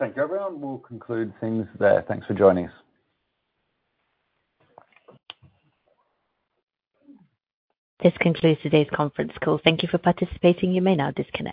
Thank you. Everyone will conclude things there. Thanks for joining us. This concludes today's conference call. Thank you for participating. You may now disconnect.